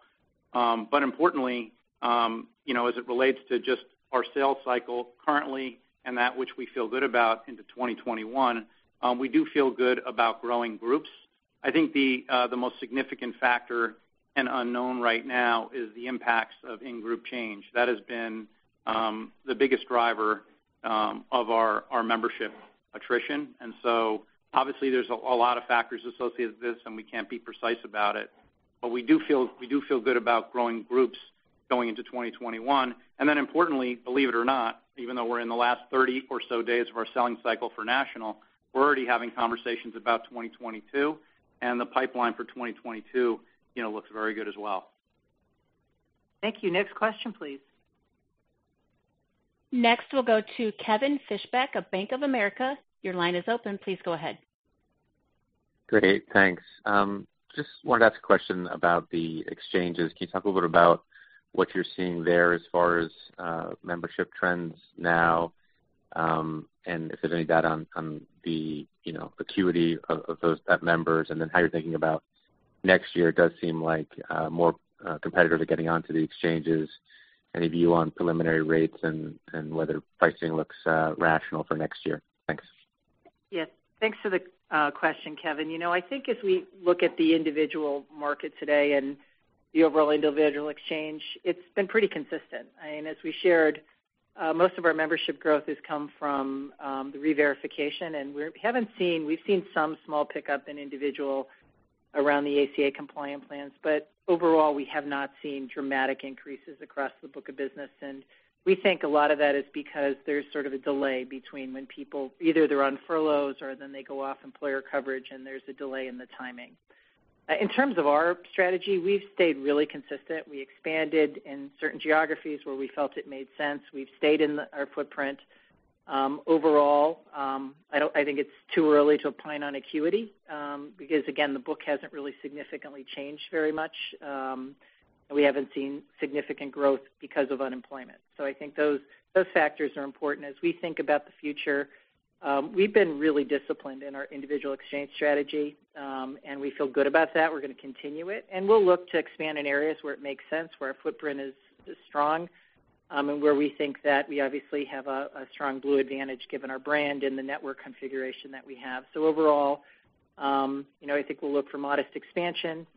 Importantly, as it relates to just our sales cycle currently, and that which we feel good about into 2021, we do feel good about growing groups. I think the most significant factor and unknown right now is the impacts of in-group change. That has been the biggest driver of our membership attrition. Obviously there's a lot of factors associated with this, and we can't be precise about it. We do feel good about growing groups going into 2021. Importantly, believe it or not, even though we're in the last 30 or so days of our selling cycle for national, we're already having conversations about 2022, and the pipeline for 2022 looks very good as well. Thank you. Next question, please. Next, we'll go to Kevin Fischbeck of Bank of America. Your line is open. Please go ahead. Great, thanks. Just wanted to ask a question about the exchanges. Can you talk a little bit about what you're seeing there as far as membership trends now? If there's any data on the acuity of those members, and then how you're thinking about next year. It does seem like more competitors are getting onto the exchanges. Any view on preliminary rates and whether pricing looks rational for next year? Thanks. Yes. Thanks for the question, Kevin. I think as we look at the individual market today and the overall individual exchange, it's been pretty consistent. As we shared, most of our membership growth has come from the reverification, and we've seen some small pickup in individual around the ACA-compliant plans, but overall, we have not seen dramatic increases across the book of business. We think a lot of that is because there's sort of a delay between when people, either they're on furloughs or then they go off employer coverage, and there's a delay in the timing. In terms of our strategy, we've stayed really consistent. We expanded in certain geographies where we felt it made sense. We've stayed in our footprint. Overall, I think it's too early to opine on acuity, because again, the book hasn't really significantly changed very much. We haven't seen significant growth because of unemployment. I think those factors are important. As we think about the future, we've been really disciplined in our individual exchange strategy, and we feel good about that. We're going to continue it, and we'll look to expand in areas where it makes sense, where our footprint is strong, and where we think that we obviously have a strong Blue advantage given our brand and the network configuration that we have. Overall, I think we'll look for modest expansion.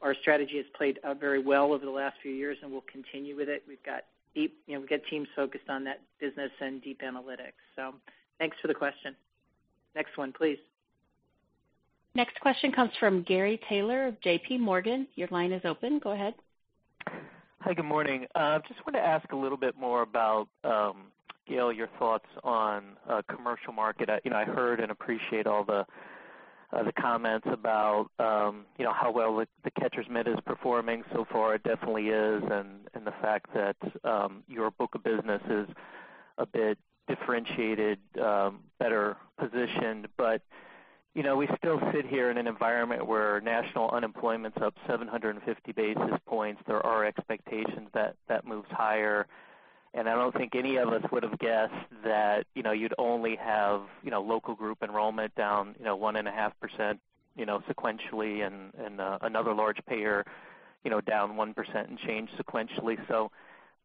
Our strategy has played out very well over the last few years, and we'll continue with it. We've got teams focused on that business and deep analytics. Thanks for the question. Next one, please. Next question comes from Gary Taylor of JPMorgan. Your line is open. Go ahead. Hi, good morning. Just wanted to ask a little bit more about, Gail, your thoughts on commercial market. I heard and appreciate all the comments about how well the catcher's mitt is performing so far. It definitely is, and the fact that your book of business is a bit differentiated, better positioned. We still sit here in an environment where national unemployment's up 750 basis points. There are expectations that that moves higher, and I don't think any of us would've guessed that you'd only have local group enrollment down 1.5% sequentially, and another large payer down 1% and change sequentially.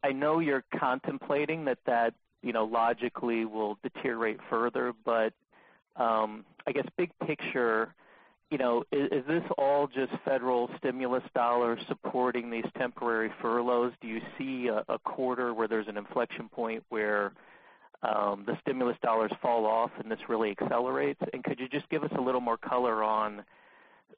I know you're contemplating that that logically will deteriorate further, but I guess big picture, is this all just federal stimulus dollars supporting these temporary furloughs? Do you see a quarter where there's an inflection point where the stimulus dollars fall off and this really accelerates? Could you just give us a little more color on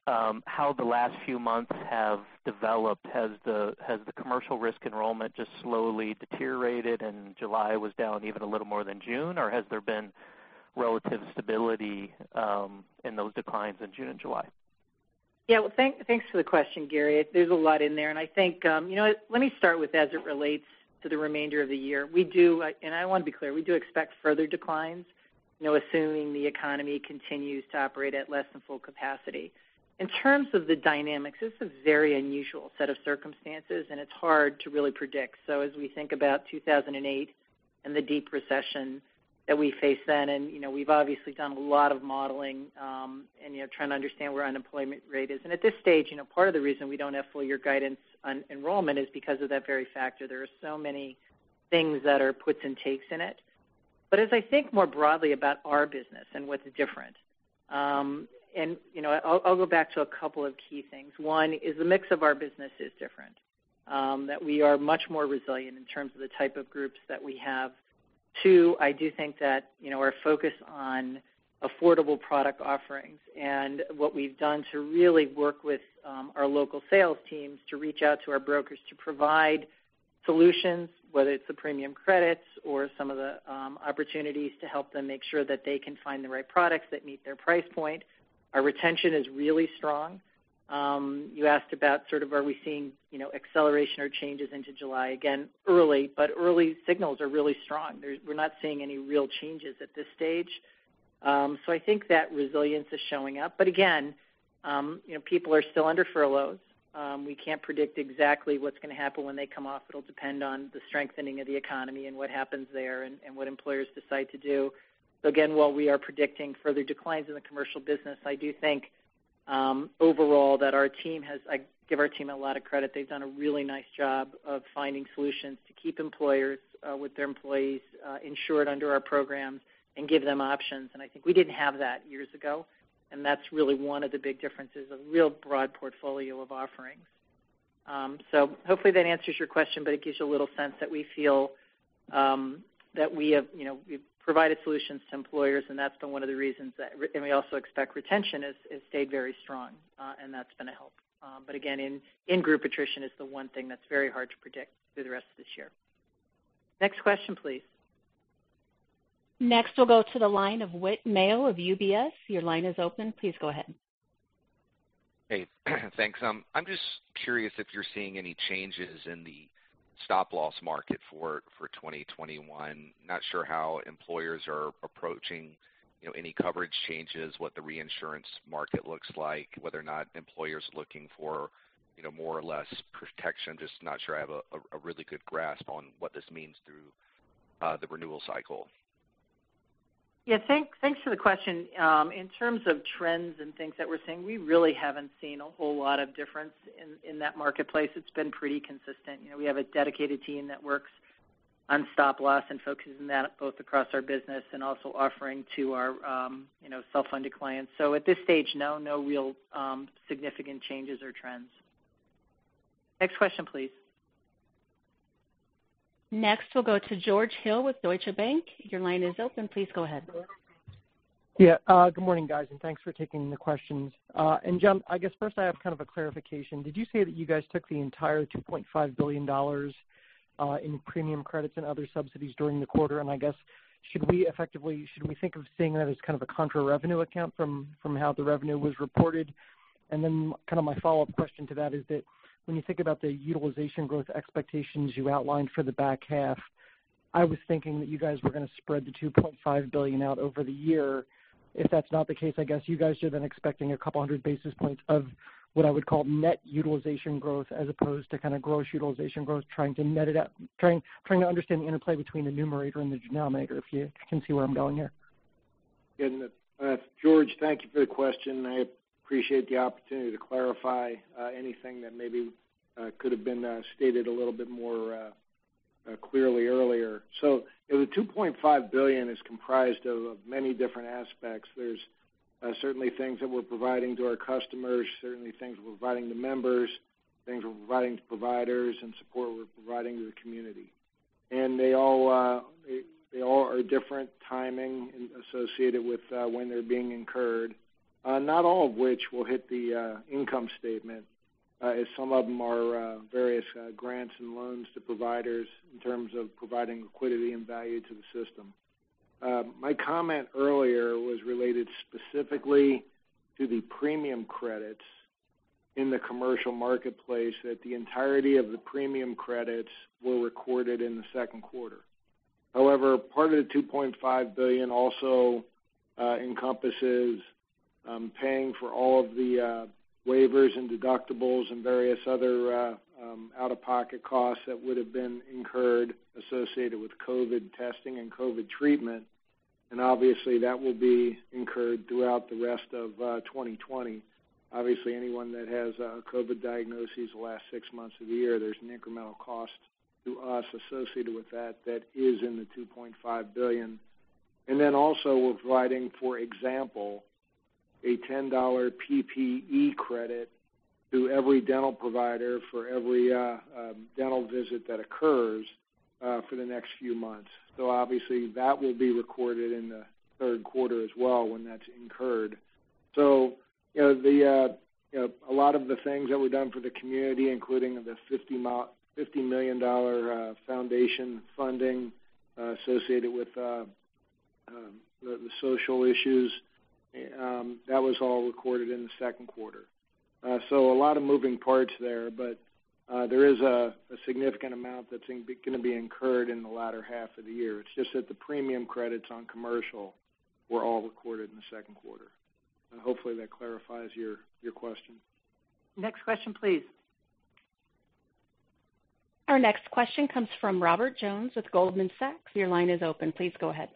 how the last few months have developed? Has the commercial risk enrollment just slowly deteriorated and July was down even a little more than June, or has there been relative stability in those declines in June and July? Yeah. Thanks for the question, Gary. There's a lot in there. Let me start with as it relates to the remainder of the year. I want to be clear, we do expect further declines, assuming the economy continues to operate at less than full capacity. In terms of the dynamics, this is a very unusual set of circumstances, and it's hard to really predict. As we think about 2008 and the deep recession that we faced then, and we've obviously done a lot of modeling, and trying to understand where unemployment rate is. At this stage, part of the reason we don't have full year guidance on enrollment is because of that very factor. There are so many things that are puts and takes in it. As I think more broadly about our business and what's different, and I'll go back to a couple of key things. One is the mix of our business is different, that we are much more resilient in terms of the type of groups that we have. Two, I do think that our focus on affordable product offerings and what we've done to really work with our local sales teams to reach out to our brokers to provide solutions, whether it's the premium credits or some of the opportunities to help them make sure that they can find the right products that meet their price point. Our retention is really strong. You asked about sort of are we seeing acceleration or changes into July. Again, early, but early signals are really strong. We're not seeing any real changes at this stage. I think that resilience is showing up. Again, people are still under furloughs. We can't predict exactly what's going to happen when they come off. It'll depend on the strengthening of the economy and what happens there and what employers decide to do. Again, while we are predicting further declines in the commercial business, I do think, overall, that I give our team a lot of credit. They've done a really nice job of finding solutions to keep employers with their employees insured under our programs and give them options, and I think we didn't have that years ago, and that's really one of the big differences, a real broad portfolio of offerings. Hopefully that answers your question, but it gives you a little sense that we feel that we've provided solutions to employers, and that's been one of the reasons that we also expect retention has stayed very strong, and that's going to help. Again, in-group attrition is the one thing that's very hard to predict through the rest of this year. Next question, please. Next, we'll go to the line of Whit Mayo of UBS. Your line is open. Please go ahead. Hey. Thanks. I'm just curious if you're seeing any changes in the stop loss market for 2021. Not sure how employers are approaching any coverage changes, what the reinsurance market looks like, whether or not employers are looking for more or less protection. Just not sure I have a really good grasp on what this means through the renewal cycle. Yeah, thanks for the question. In terms of trends and things that we're seeing, we really haven't seen a whole lot of difference in that marketplace. It's been pretty consistent. We have a dedicated team that works on stop loss and focuses on that both across our business and also offering to our self-funded clients. At this stage, no real significant changes or trends. Next question, please. Next, we'll go to George Hill with Deutsche Bank. Your line is open. Please go ahead. Yeah. Good morning, guys, and thanks for taking the questions. Jim, I guess first I have kind of a clarification. Did you say that you guys took the entire $2.5 billion in premium credits and other subsidies during the quarter? I guess, should we think of seeing that as kind of a contra revenue account from how the revenue was reported? My follow-up question to that is that when you think about the utilization growth expectations you outlined for the back half, I was thinking that you guys were going to spread the $2.5 billion out over the year. If that's not the case, I guess you guys should have been expecting a couple of hundred basis points of what I would call net utilization growth as opposed to kind of gross utilization growth, trying to understand the interplay between the numerator and the denominator, if you can see where I'm going here. George, thank you for the question. I appreciate the opportunity to clarify anything that maybe could have been stated a little bit more clearly earlier. The $2.5 billion is comprised of many different aspects. There's certainly things that we're providing to our customers, certainly things we're providing to members, things we're providing to providers, and support we're providing to the community. They all are different timing associated with when they're being incurred. Not all of which will hit the income statement, as some of them are various grants and loans to providers in terms of providing liquidity and value to the system. My comment earlier was related specifically to the premium credits in the commercial marketplace, that the entirety of the premium credits were recorded in the second quarter. Part of the $2.5 billion also encompasses paying for all of the waivers and deductibles and various other out-of-pocket costs that would have been incurred associated with COVID testing and COVID treatment. Obviously, that will be incurred throughout the rest of 2020. Obviously, anyone that has COVID diagnoses the last six months of the year, there's an incremental cost to us associated with that is in the $2.5 billion. Also we're providing, for example, a $10 PPE credit to every dental provider for every dental visit that occurs for the next few months. Obviously, that will be recorded in the third quarter as well when that's incurred. A lot of the things that we've done for the community, including the $50 million foundation funding associated with the social issues, that was all recorded in the second quarter. A lot of moving parts there, but there is a significant amount that's going to be incurred in the latter half of the year. The premium credits on commercial were all recorded in the second quarter. Hopefully that clarifies your question. Next question, please. Our next question comes from Robert Jones with Goldman Sachs. Your line is open. Please go ahead.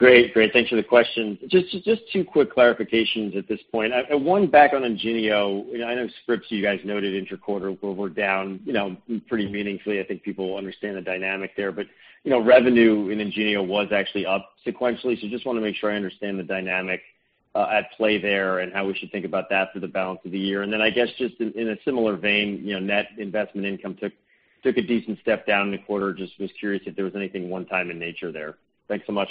Great. Thanks for the question. Just two quick clarifications at this point. One back on IngenioRx. I know scripts, you guys noted inter-quarter were down pretty meaningfully. Revenue in IngenioRx was actually up sequentially. Just want to make sure I understand the dynamic at play there and how we should think about that for the balance of the year. I guess just in a similar vein, net investment income took a decent step down in the quarter. Just was curious if there was anything one time in nature there. Thanks so much.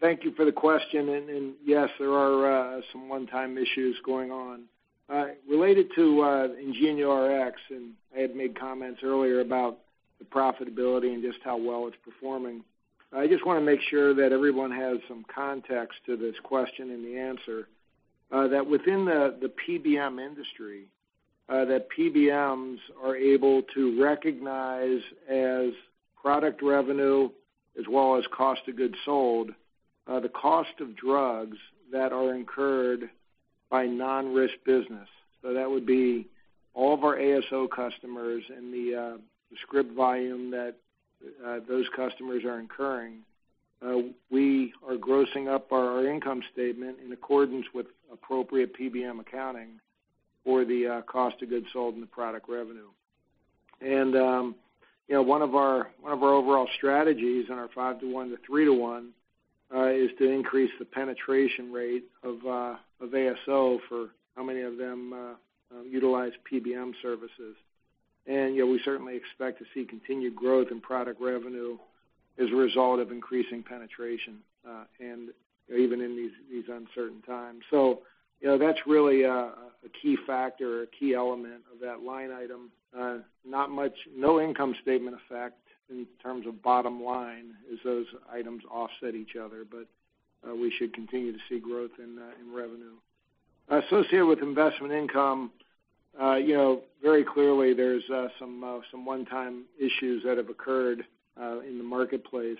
Thank you for the question. Yes, there are some one-time issues going on. Related to IngenioRx, and I had made comments earlier about the profitability and just how well it's performing. I just want to make sure that everyone has some context to this question and the answer, that within the PBM industry, that PBMs are able to recognize as product revenue as well as cost of goods sold, the cost of drugs that are incurred by non-risk business. That would be all of our ASO customers and the script volume that those customers are incurring. We are grossing up our income statement in accordance with appropriate PBM accounting for the cost of goods sold and the product revenue. One of our overall strategies in our five to one to three to one, is to increase the penetration rate of ASO for how many of them utilize PBM services. We certainly expect to see continued growth in product revenue as a result of increasing penetration, and even in these uncertain times. That's really a key factor or a key element of that line item. No income statement effect in terms of bottom line as those items offset each other. We should continue to see growth in revenue. Associated with investment income, very clearly there's some one-time issues that have occurred in the marketplace.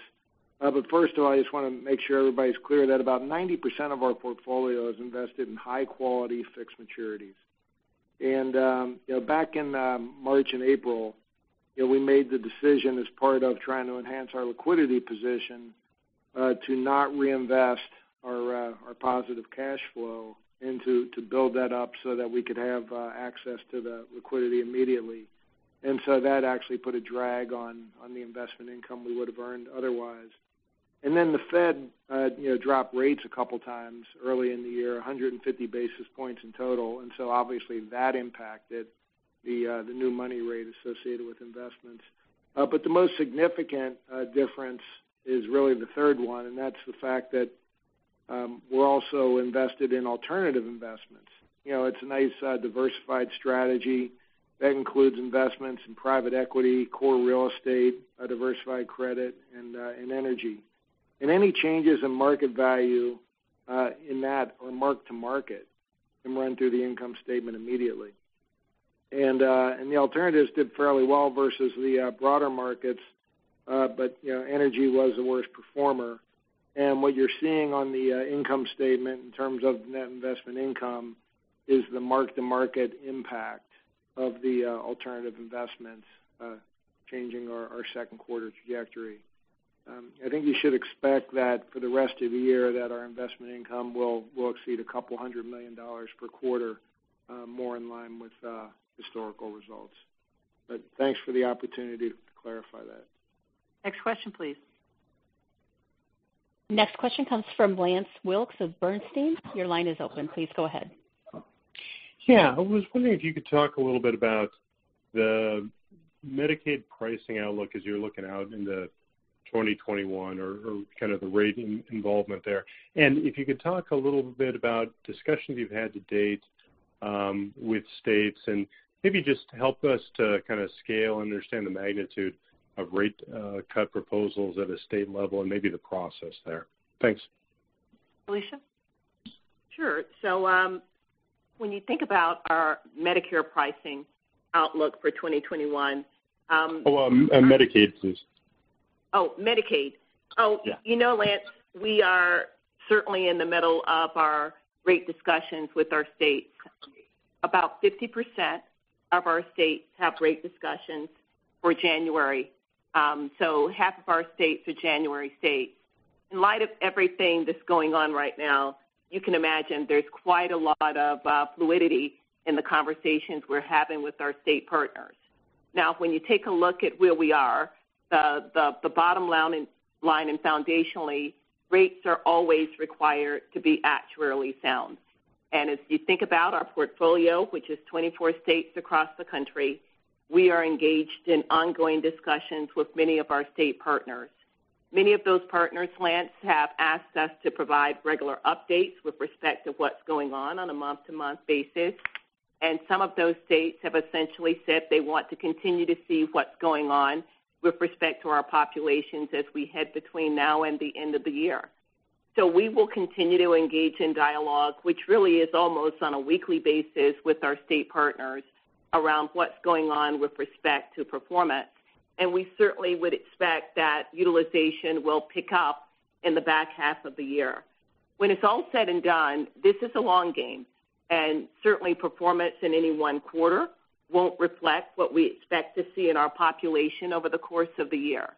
First of all, I just want to make sure everybody's clear that about 90% of our portfolio is invested in high quality fixed maturities. Back in March and April, we made the decision as part of trying to enhance our liquidity position, to not reinvest our positive cash flow, and to build that up so that we could have access to the liquidity immediately. That actually put a drag on the investment income we would've earned otherwise. Then the Fed dropped rates a couple times early in the year, 150 basis points in total. Obviously that impacted the new money rate associated with investments. The most significant difference is really the third one, and that's the fact that we're also invested in alternative investments. It's a nice diversified strategy that includes investments in private equity, core real estate, diversified credit, and energy. Any changes in market value in that are mark-to-market, run through the income statement immediately. The alternatives did fairly well versus the broader markets, but energy was the worst performer. What you're seeing on the income statement in terms of net investment income is the mark-to-market impact of the alternative investments changing our second quarter trajectory. I think you should expect that for the rest of the year that our investment income will exceed a couple hundred million dollars per quarter, more in line with historical results. Thanks for the opportunity to clarify that. Next question, please. Next question comes from Lance Wilkes of Bernstein. Your line is open. Please go ahead. Yeah. I was wondering if you could talk a little bit about the Medicaid pricing outlook as you're looking out into 2021 or kind of the rate involvement there. If you could talk a little bit about discussions you've had to date with states, and maybe just help us to kind of scale, understand the magnitude of rate cut proposals at a state level and maybe the process there. Thanks. Felicia? Sure. When you think about our Medicare pricing outlook for 2021. Oh, Medicaid, please. Oh, Medicaid. Yeah. You know, Lance, we are certainly in the middle of our rate discussions with our states. About 50% of our states have rate discussions for January. Half of our states are January states. In light of everything that's going on right now, you can imagine there's quite a lot of fluidity in the conversations we're having with our state partners. When you take a look at where we are, the bottom line and foundationally, rates are always required to be actuarially sound. As you think about our portfolio, which is 24 states across the country, we are engaged in ongoing discussions with many of our state partners. Many of those partners, Lance, have asked us to provide regular updates with respect to what's going on on a month-to-month basis, and some of those states have essentially said they want to continue to see what's going on with respect to our populations as we head between now and the end of the year. We will continue to engage in dialogue, which really is almost on a weekly basis with our state partners around what's going on with respect to performance, and we certainly would expect that utilization will pick up in the back half of the year. When it's all said and done, this is a long game, and certainly performance in any one quarter won't reflect what we expect to see in our population over the course of the year.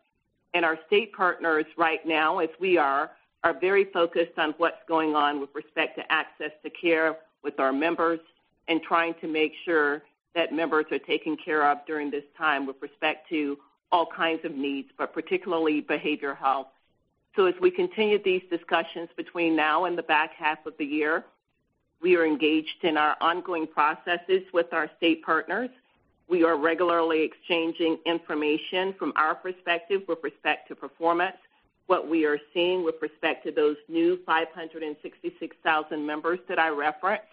Our state partners right now, as we are very focused on what's going on with respect to access to care with our members, and trying to make sure that members are taken care of during this time with respect to all kinds of needs, but particularly behavioral health. As we continue these discussions between now and the back half of the year, we are engaged in our ongoing processes with our state partners. We are regularly exchanging information from our perspective with respect to performance, what we are seeing with respect to those new 566,000 members that I referenced,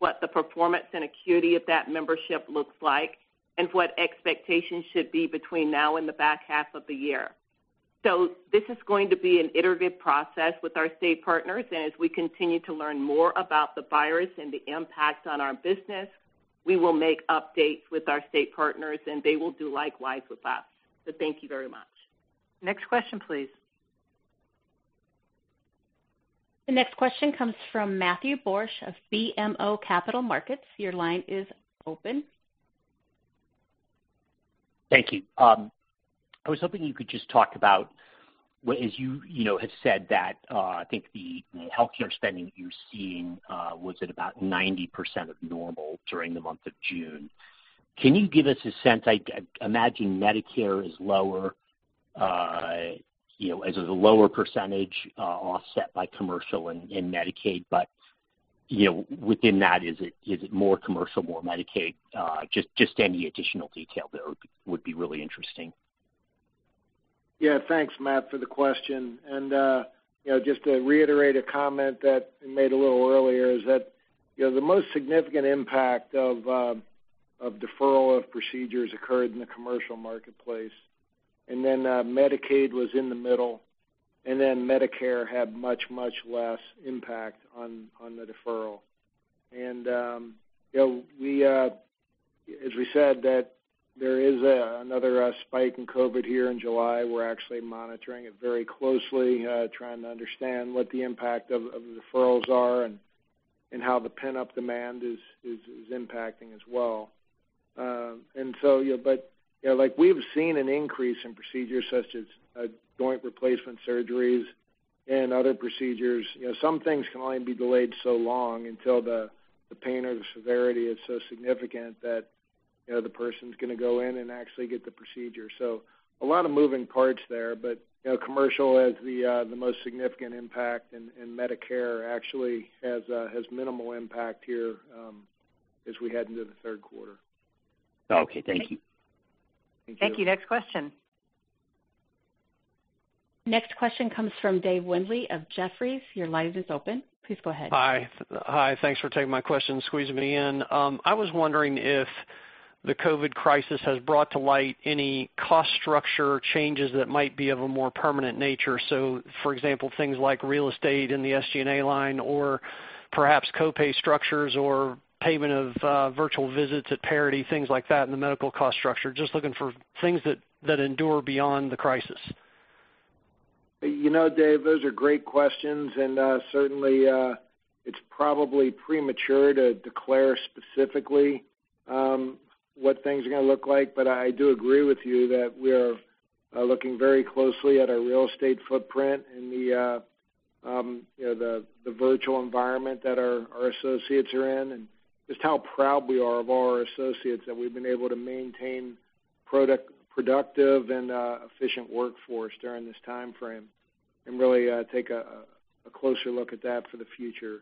what the performance and acuity of that membership looks like, and what expectations should be between now and the back half of the year. This is going to be an iterative process with our state partners, and as we continue to learn more about the virus and the impact on our business, we will make updates with our state partners, and they will do likewise with us. Thank you very much. Next question, please. The next question comes from Matthew Borsch of BMO Capital Markets. Your line is open. Thank you. I was hoping you could just talk about what, as you have said that, I think the healthcare spending that you're seeing was at about 90% of normal during the month of June. Can you give us a sense? I imagine Medicare is lower. Is it a lower percentage offset by commercial and Medicaid? Within that, is it more commercial, more Medicaid? Just any additional detail there would be really interesting. Yeah. Thanks, Matt, for the question. Just to reiterate a comment that I made a little earlier is that the most significant impact of deferral of procedures occurred in the commercial marketplace. Medicaid was in the middle, and then Medicare had much, much less impact on the deferral. As we said that there is another spike in COVID here in July. We're actually monitoring it very closely, trying to understand what the impact of the deferrals are and how the pent-up demand is impacting as well. We've seen an increase in procedures such as joint replacement surgeries and other procedures. Some things can only be delayed so long until the pain or the severity is so significant that the person's going to go in and actually get the procedure. A lot of moving parts there, but commercial has the most significant impact, and Medicare actually has minimal impact here as we head into the third quarter. Okay. Thank you. Thank you. Thank you. Next question. Next question comes from Dave Windley of Jefferies. Your line is open. Please go ahead. Hi. Thanks for taking my question, squeezing me in. I was wondering if the COVID crisis has brought to light any cost structure changes that might be of a more permanent nature. For example, things like real estate in the SG&A line or perhaps co-pay structures or payment of virtual visits at parity, things like that in the medical cost structure. Just looking for things that endure beyond the crisis. Dave, those are great questions. Certainly, it's probably premature to declare specifically what things are going to look like. I do agree with you that we are looking very closely at our real estate footprint and the virtual environment that our associates are in, and just how proud we are of all our associates that we've been able to maintain productive and efficient workforce during this timeframe, really take a closer look at that for the future.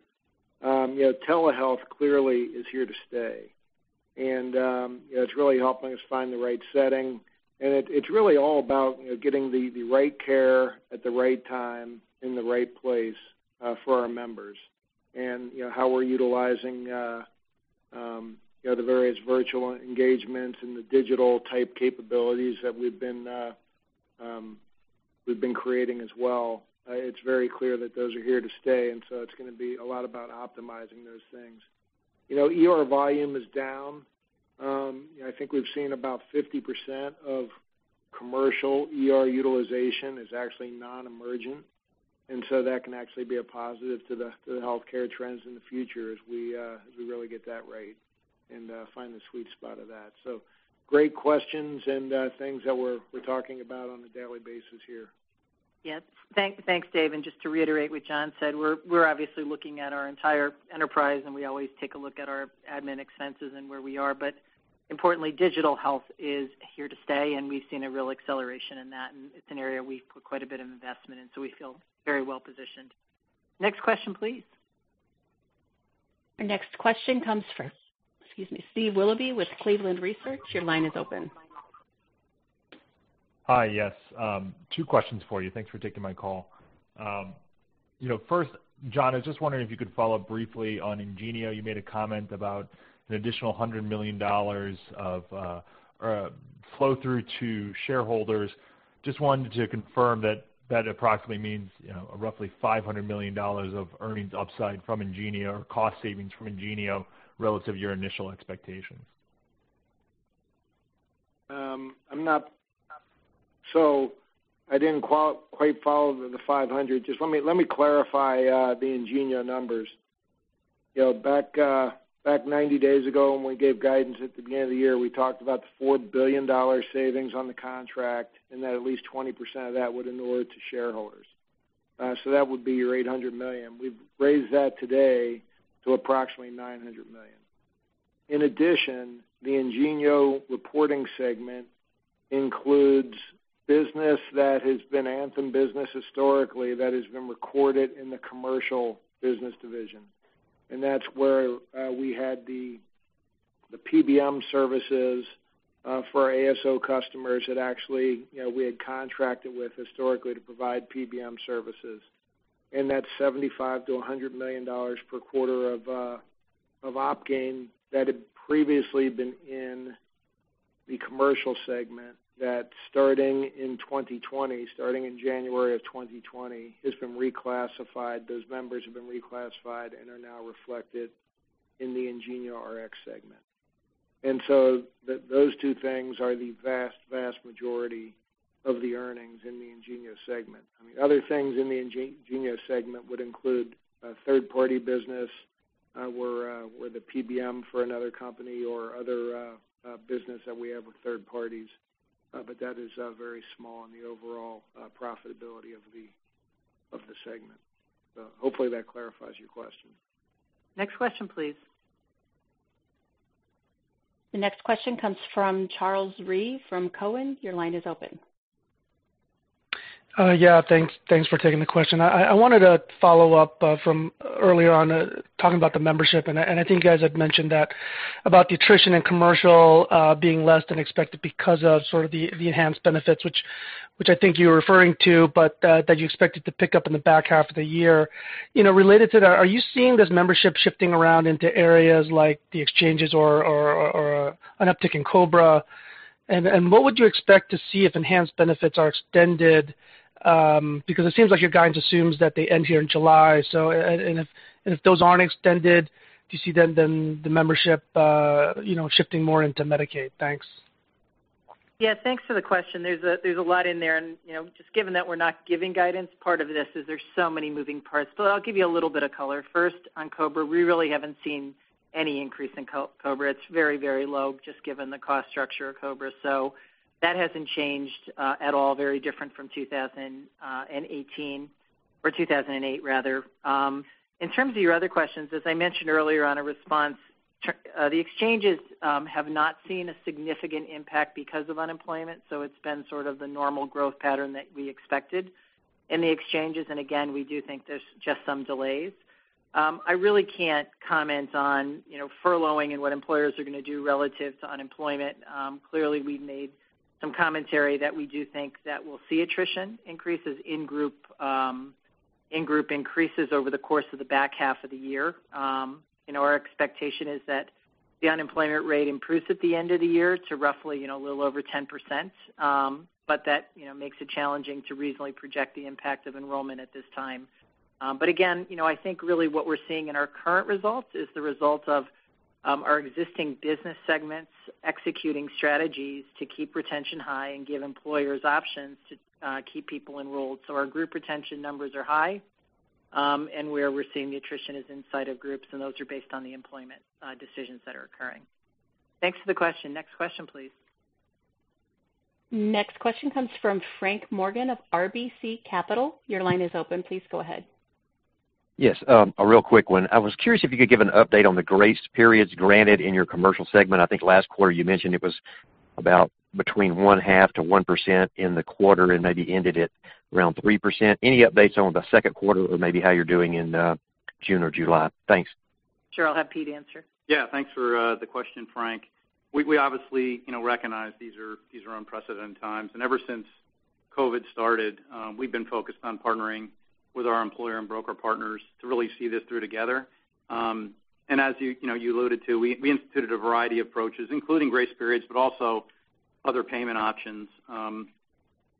Telehealth clearly is here to stay. It's really helping us find the right setting. It's really all about getting the right care at the right time in the right place for our members. How we're utilizing the various virtual engagements and the digital type capabilities that we've been creating as well. It's very clear that those are here to stay, and so it's going to be a lot about optimizing those things. ER volume is down. I think we've seen about 50% of commercial ER utilization is actually non-emergent, and so that can actually be a positive to the healthcare trends in the future as we really get that right and find the sweet spot of that. Great questions and things that we're talking about on a daily basis here. Yes. Thanks, Dave. Just to reiterate what John said, we're obviously looking at our entire enterprise, and we always take a look at our admin expenses and where we are. Importantly, digital health is here to stay, and we've seen a real acceleration in that, and it's an area we put quite a bit of investment in, so we feel very well positioned. Next question, please. Our next question comes from Steve Willoughby with Cleveland Research. Your line is open. Hi. Yes. Two questions for you. Thanks for taking my call. First, John, I was just wondering if you could follow up briefly on IngenioRx. You made a comment about an additional $100 million of flow through to shareholders. Just wanted to confirm that approximately means roughly $500 million of earnings upside from IngenioRx or cost savings from IngenioRx relative to your initial expectations. I didn't quite follow the $500. Let me clarify the IngenioRx numbers. Back 90 days ago when we gave guidance at the beginning of the year, we talked about the $4 billion savings on the contract, and that at least 20% of that would inure to shareholders. That would be your $800 million. We've raised that today to approximately $900 million. In addition, the IngenioRx reporting segment includes business that has been Anthem business historically that has been recorded in the Commercial Business Division. That's where we had the PBM services for our ASO customers that actually we had contracted with historically to provide PBM services. That $75 million-$100 million per quarter of op gain that had previously been in the Commercial Segment that starting in 2020, starting in January of 2020, has been reclassified. Those members have been reclassified and are now reflected in the IngenioRx segment. Those two things are the vast majority of the earnings in the IngenioRx segment. Other things in the IngenioRx segment would include third-party business. We're the PBM for another company or other business that we have with third parties. That is very small on the overall profitability of the segment. Hopefully that clarifies your question. Next question, please. The next question comes from Charles Rhyee from Cowen. Your line is open. Yeah, thanks for taking the question. I wanted to follow up from earlier on talking about the membership, and I think you guys had mentioned that about the attrition in commercial being less than expected because of sort of the enhanced benefits, which I think you were referring to, but that you expected to pick up in the back half of the year. Related to that, are you seeing this membership shifting around into areas like the exchanges or an uptick in COBRA? What would you expect to see if enhanced benefits are extended? Because it seems like your guidance assumes that they end here in July, and if those aren't extended, do you see then the membership shifting more into Medicaid? Thanks. Yeah. Thanks for the question. There's a lot in there, just given that we're not giving guidance, part of this is there's so many moving parts. I'll give you a little bit of color. First, on COBRA, we really haven't seen any increase in COBRA. It's very low just given the cost structure of COBRA. That hasn't changed at all, very different from 2018 or 2008 rather. In terms of your other questions, as I mentioned earlier on a response, the exchanges have not seen a significant impact because of unemployment, it's been sort of the normal growth pattern that we expected in the exchanges. Again, we do think there's just some delays. I really can't comment on furloughing and what employers are going to do relative to unemployment. Clearly, we've made some commentary that we do think that we'll see attrition increases in-group increases over the course of the back half of the year. Our expectation is that the unemployment rate improves at the end of the year to roughly a little over 10%. That makes it challenging to reasonably project the impact of enrollment at this time. Again, I think really what we're seeing in our current results is the results of our existing business segments executing strategies to keep retention high and give employers options to keep people enrolled. Our group retention numbers are high, and where we're seeing the attrition is inside of groups, and those are based on the employment decisions that are occurring. Thanks for the question. Next question please. Next question comes from Frank Morgan of RBC Capital Markets. Your line is open. Please go ahead. Yes. A real quick one. I was curious if you could give an update on the grace periods granted in your commercial segment. I think last quarter you mentioned it was about between 0.5%-1% in the quarter and maybe ended at around 3%. Any updates on the second quarter or maybe how you're doing in June or July? Thanks. Sure. I'll have Pete answer. Yeah. Thanks for the question, Frank. We obviously recognize these are unprecedented times, ever since COVID started, we've been focused on partnering with our employer and broker partners to really see this through together. As you alluded to, we instituted a variety of approaches, including grace periods, but also other payment options.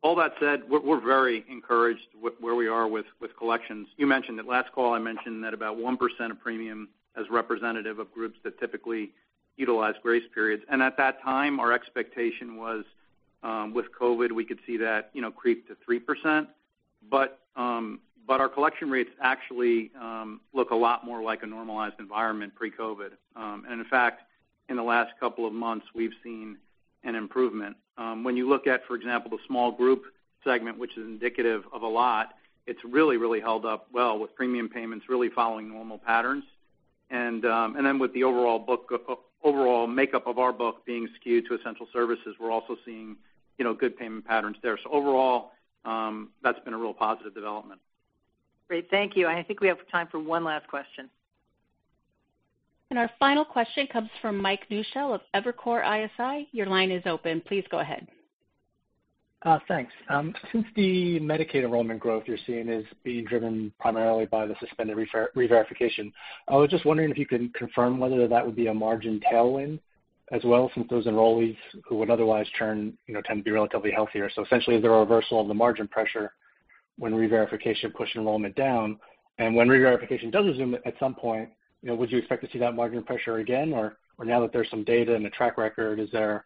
All that said, we're very encouraged with where we are with collections. You mentioned at last call, I mentioned that about 1% of premium as representative of groups that typically utilize grace periods. At that time, our expectation was with COVID, we could see that creep to 3%. Our collection rates actually look a lot more like a normalized environment pre-COVID. In fact, in the last couple of months, we've seen an improvement. When you look at, for example, the small group segment, which is indicative of a lot, it's really held up well with premium payments really following normal patterns. With the overall makeup of our book being skewed to essential services, we're also seeing good payment patterns there. Overall, that's been a real positive development. Great. Thank you. I think we have time for one last question. Our final question comes from Mike Newshel of Evercore ISI. Your line is open. Please go ahead. Thanks. Since the Medicaid enrollment growth you're seeing is being driven primarily by the suspended reverification, I was just wondering if you can confirm whether that would be a margin tailwind as well, since those enrollees who would otherwise turn tend to be relatively healthier. Essentially, is there a reversal of the margin pressure when reverification pushed enrollment down? When reverification does resume at some point, would you expect to see that margin pressure again? Now that there's some data and a track record, is there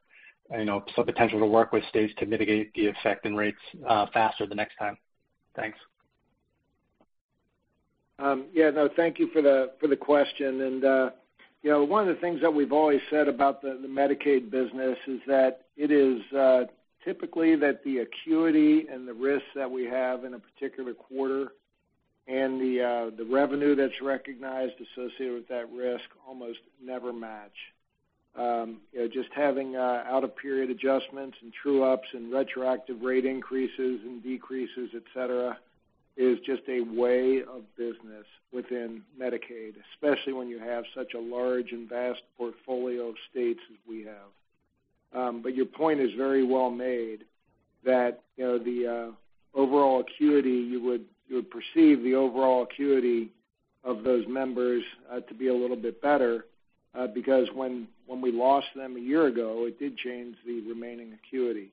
some potential to work with states to mitigate the effect and rates faster the next time? Thanks. Yeah, no, thank you for the question. One of the things that we've always said about the Medicaid business is that it is typically that the acuity and the risks that we have in a particular quarter and the revenue that's recognized associated with that risk almost never match. Just having out-of-period adjustments and true-ups and retroactive rate increases and decreases, et cetera, is just a way of business within Medicaid, especially when you have such a large and vast portfolio of states as we have. Your point is very well made that you would perceive the overall acuity of those members to be a little bit better, because when we lost them a year ago, it did change the remaining acuity.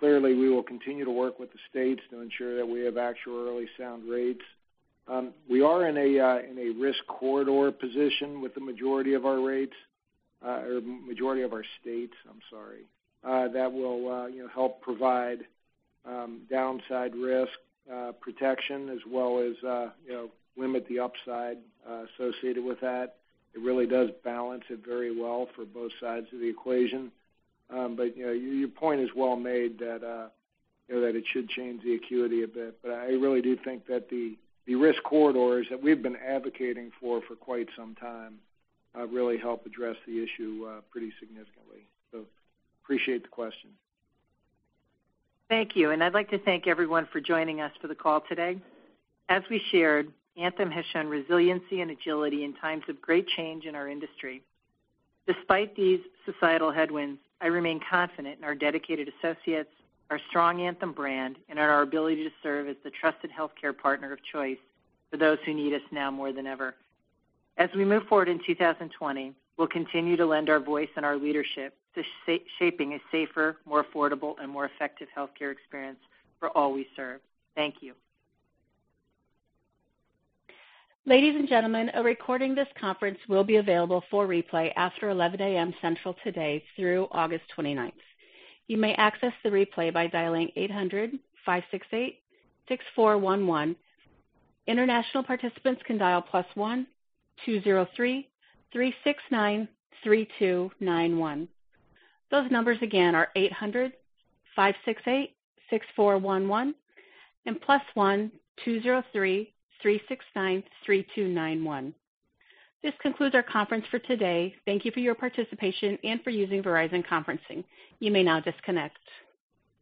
Clearly we will continue to work with the states to ensure that we have actuarially sound rates. We are in a risk corridor position with the majority of our states, that will help provide downside risk protection as well as limit the upside associated with that. It really does balance it very well for both sides of the equation. Your point is well made that it should change the acuity a bit. I really do think that the risk corridors that we've been advocating for quite some time really help address the issue pretty significantly. Appreciate the question. Thank you. I'd like to thank everyone for joining us for the call today. As we shared, Anthem has shown resiliency and agility in times of great change in our industry. Despite these societal headwinds, I remain confident in our dedicated associates, our strong Anthem brand, and in our ability to serve as the trusted healthcare partner of choice for those who need us now more than ever. As we move forward in 2020, we'll continue to lend our voice and our leadership to shaping a safer, more affordable, and more effective healthcare experience for all we serve. Thank you. Ladies and gentlemen, a recording of this conference will be available for replay after 11:00 A.M. Central today through August 29th. You may access the replay by dialing 800-568-6411. International participants can dial +1-203-369-3291. Those numbers again are 800-568-6411 and +1-203-369-3291. This concludes our conference for today. Thank you for your participation and for using Verizon Conferencing. You may now disconnect.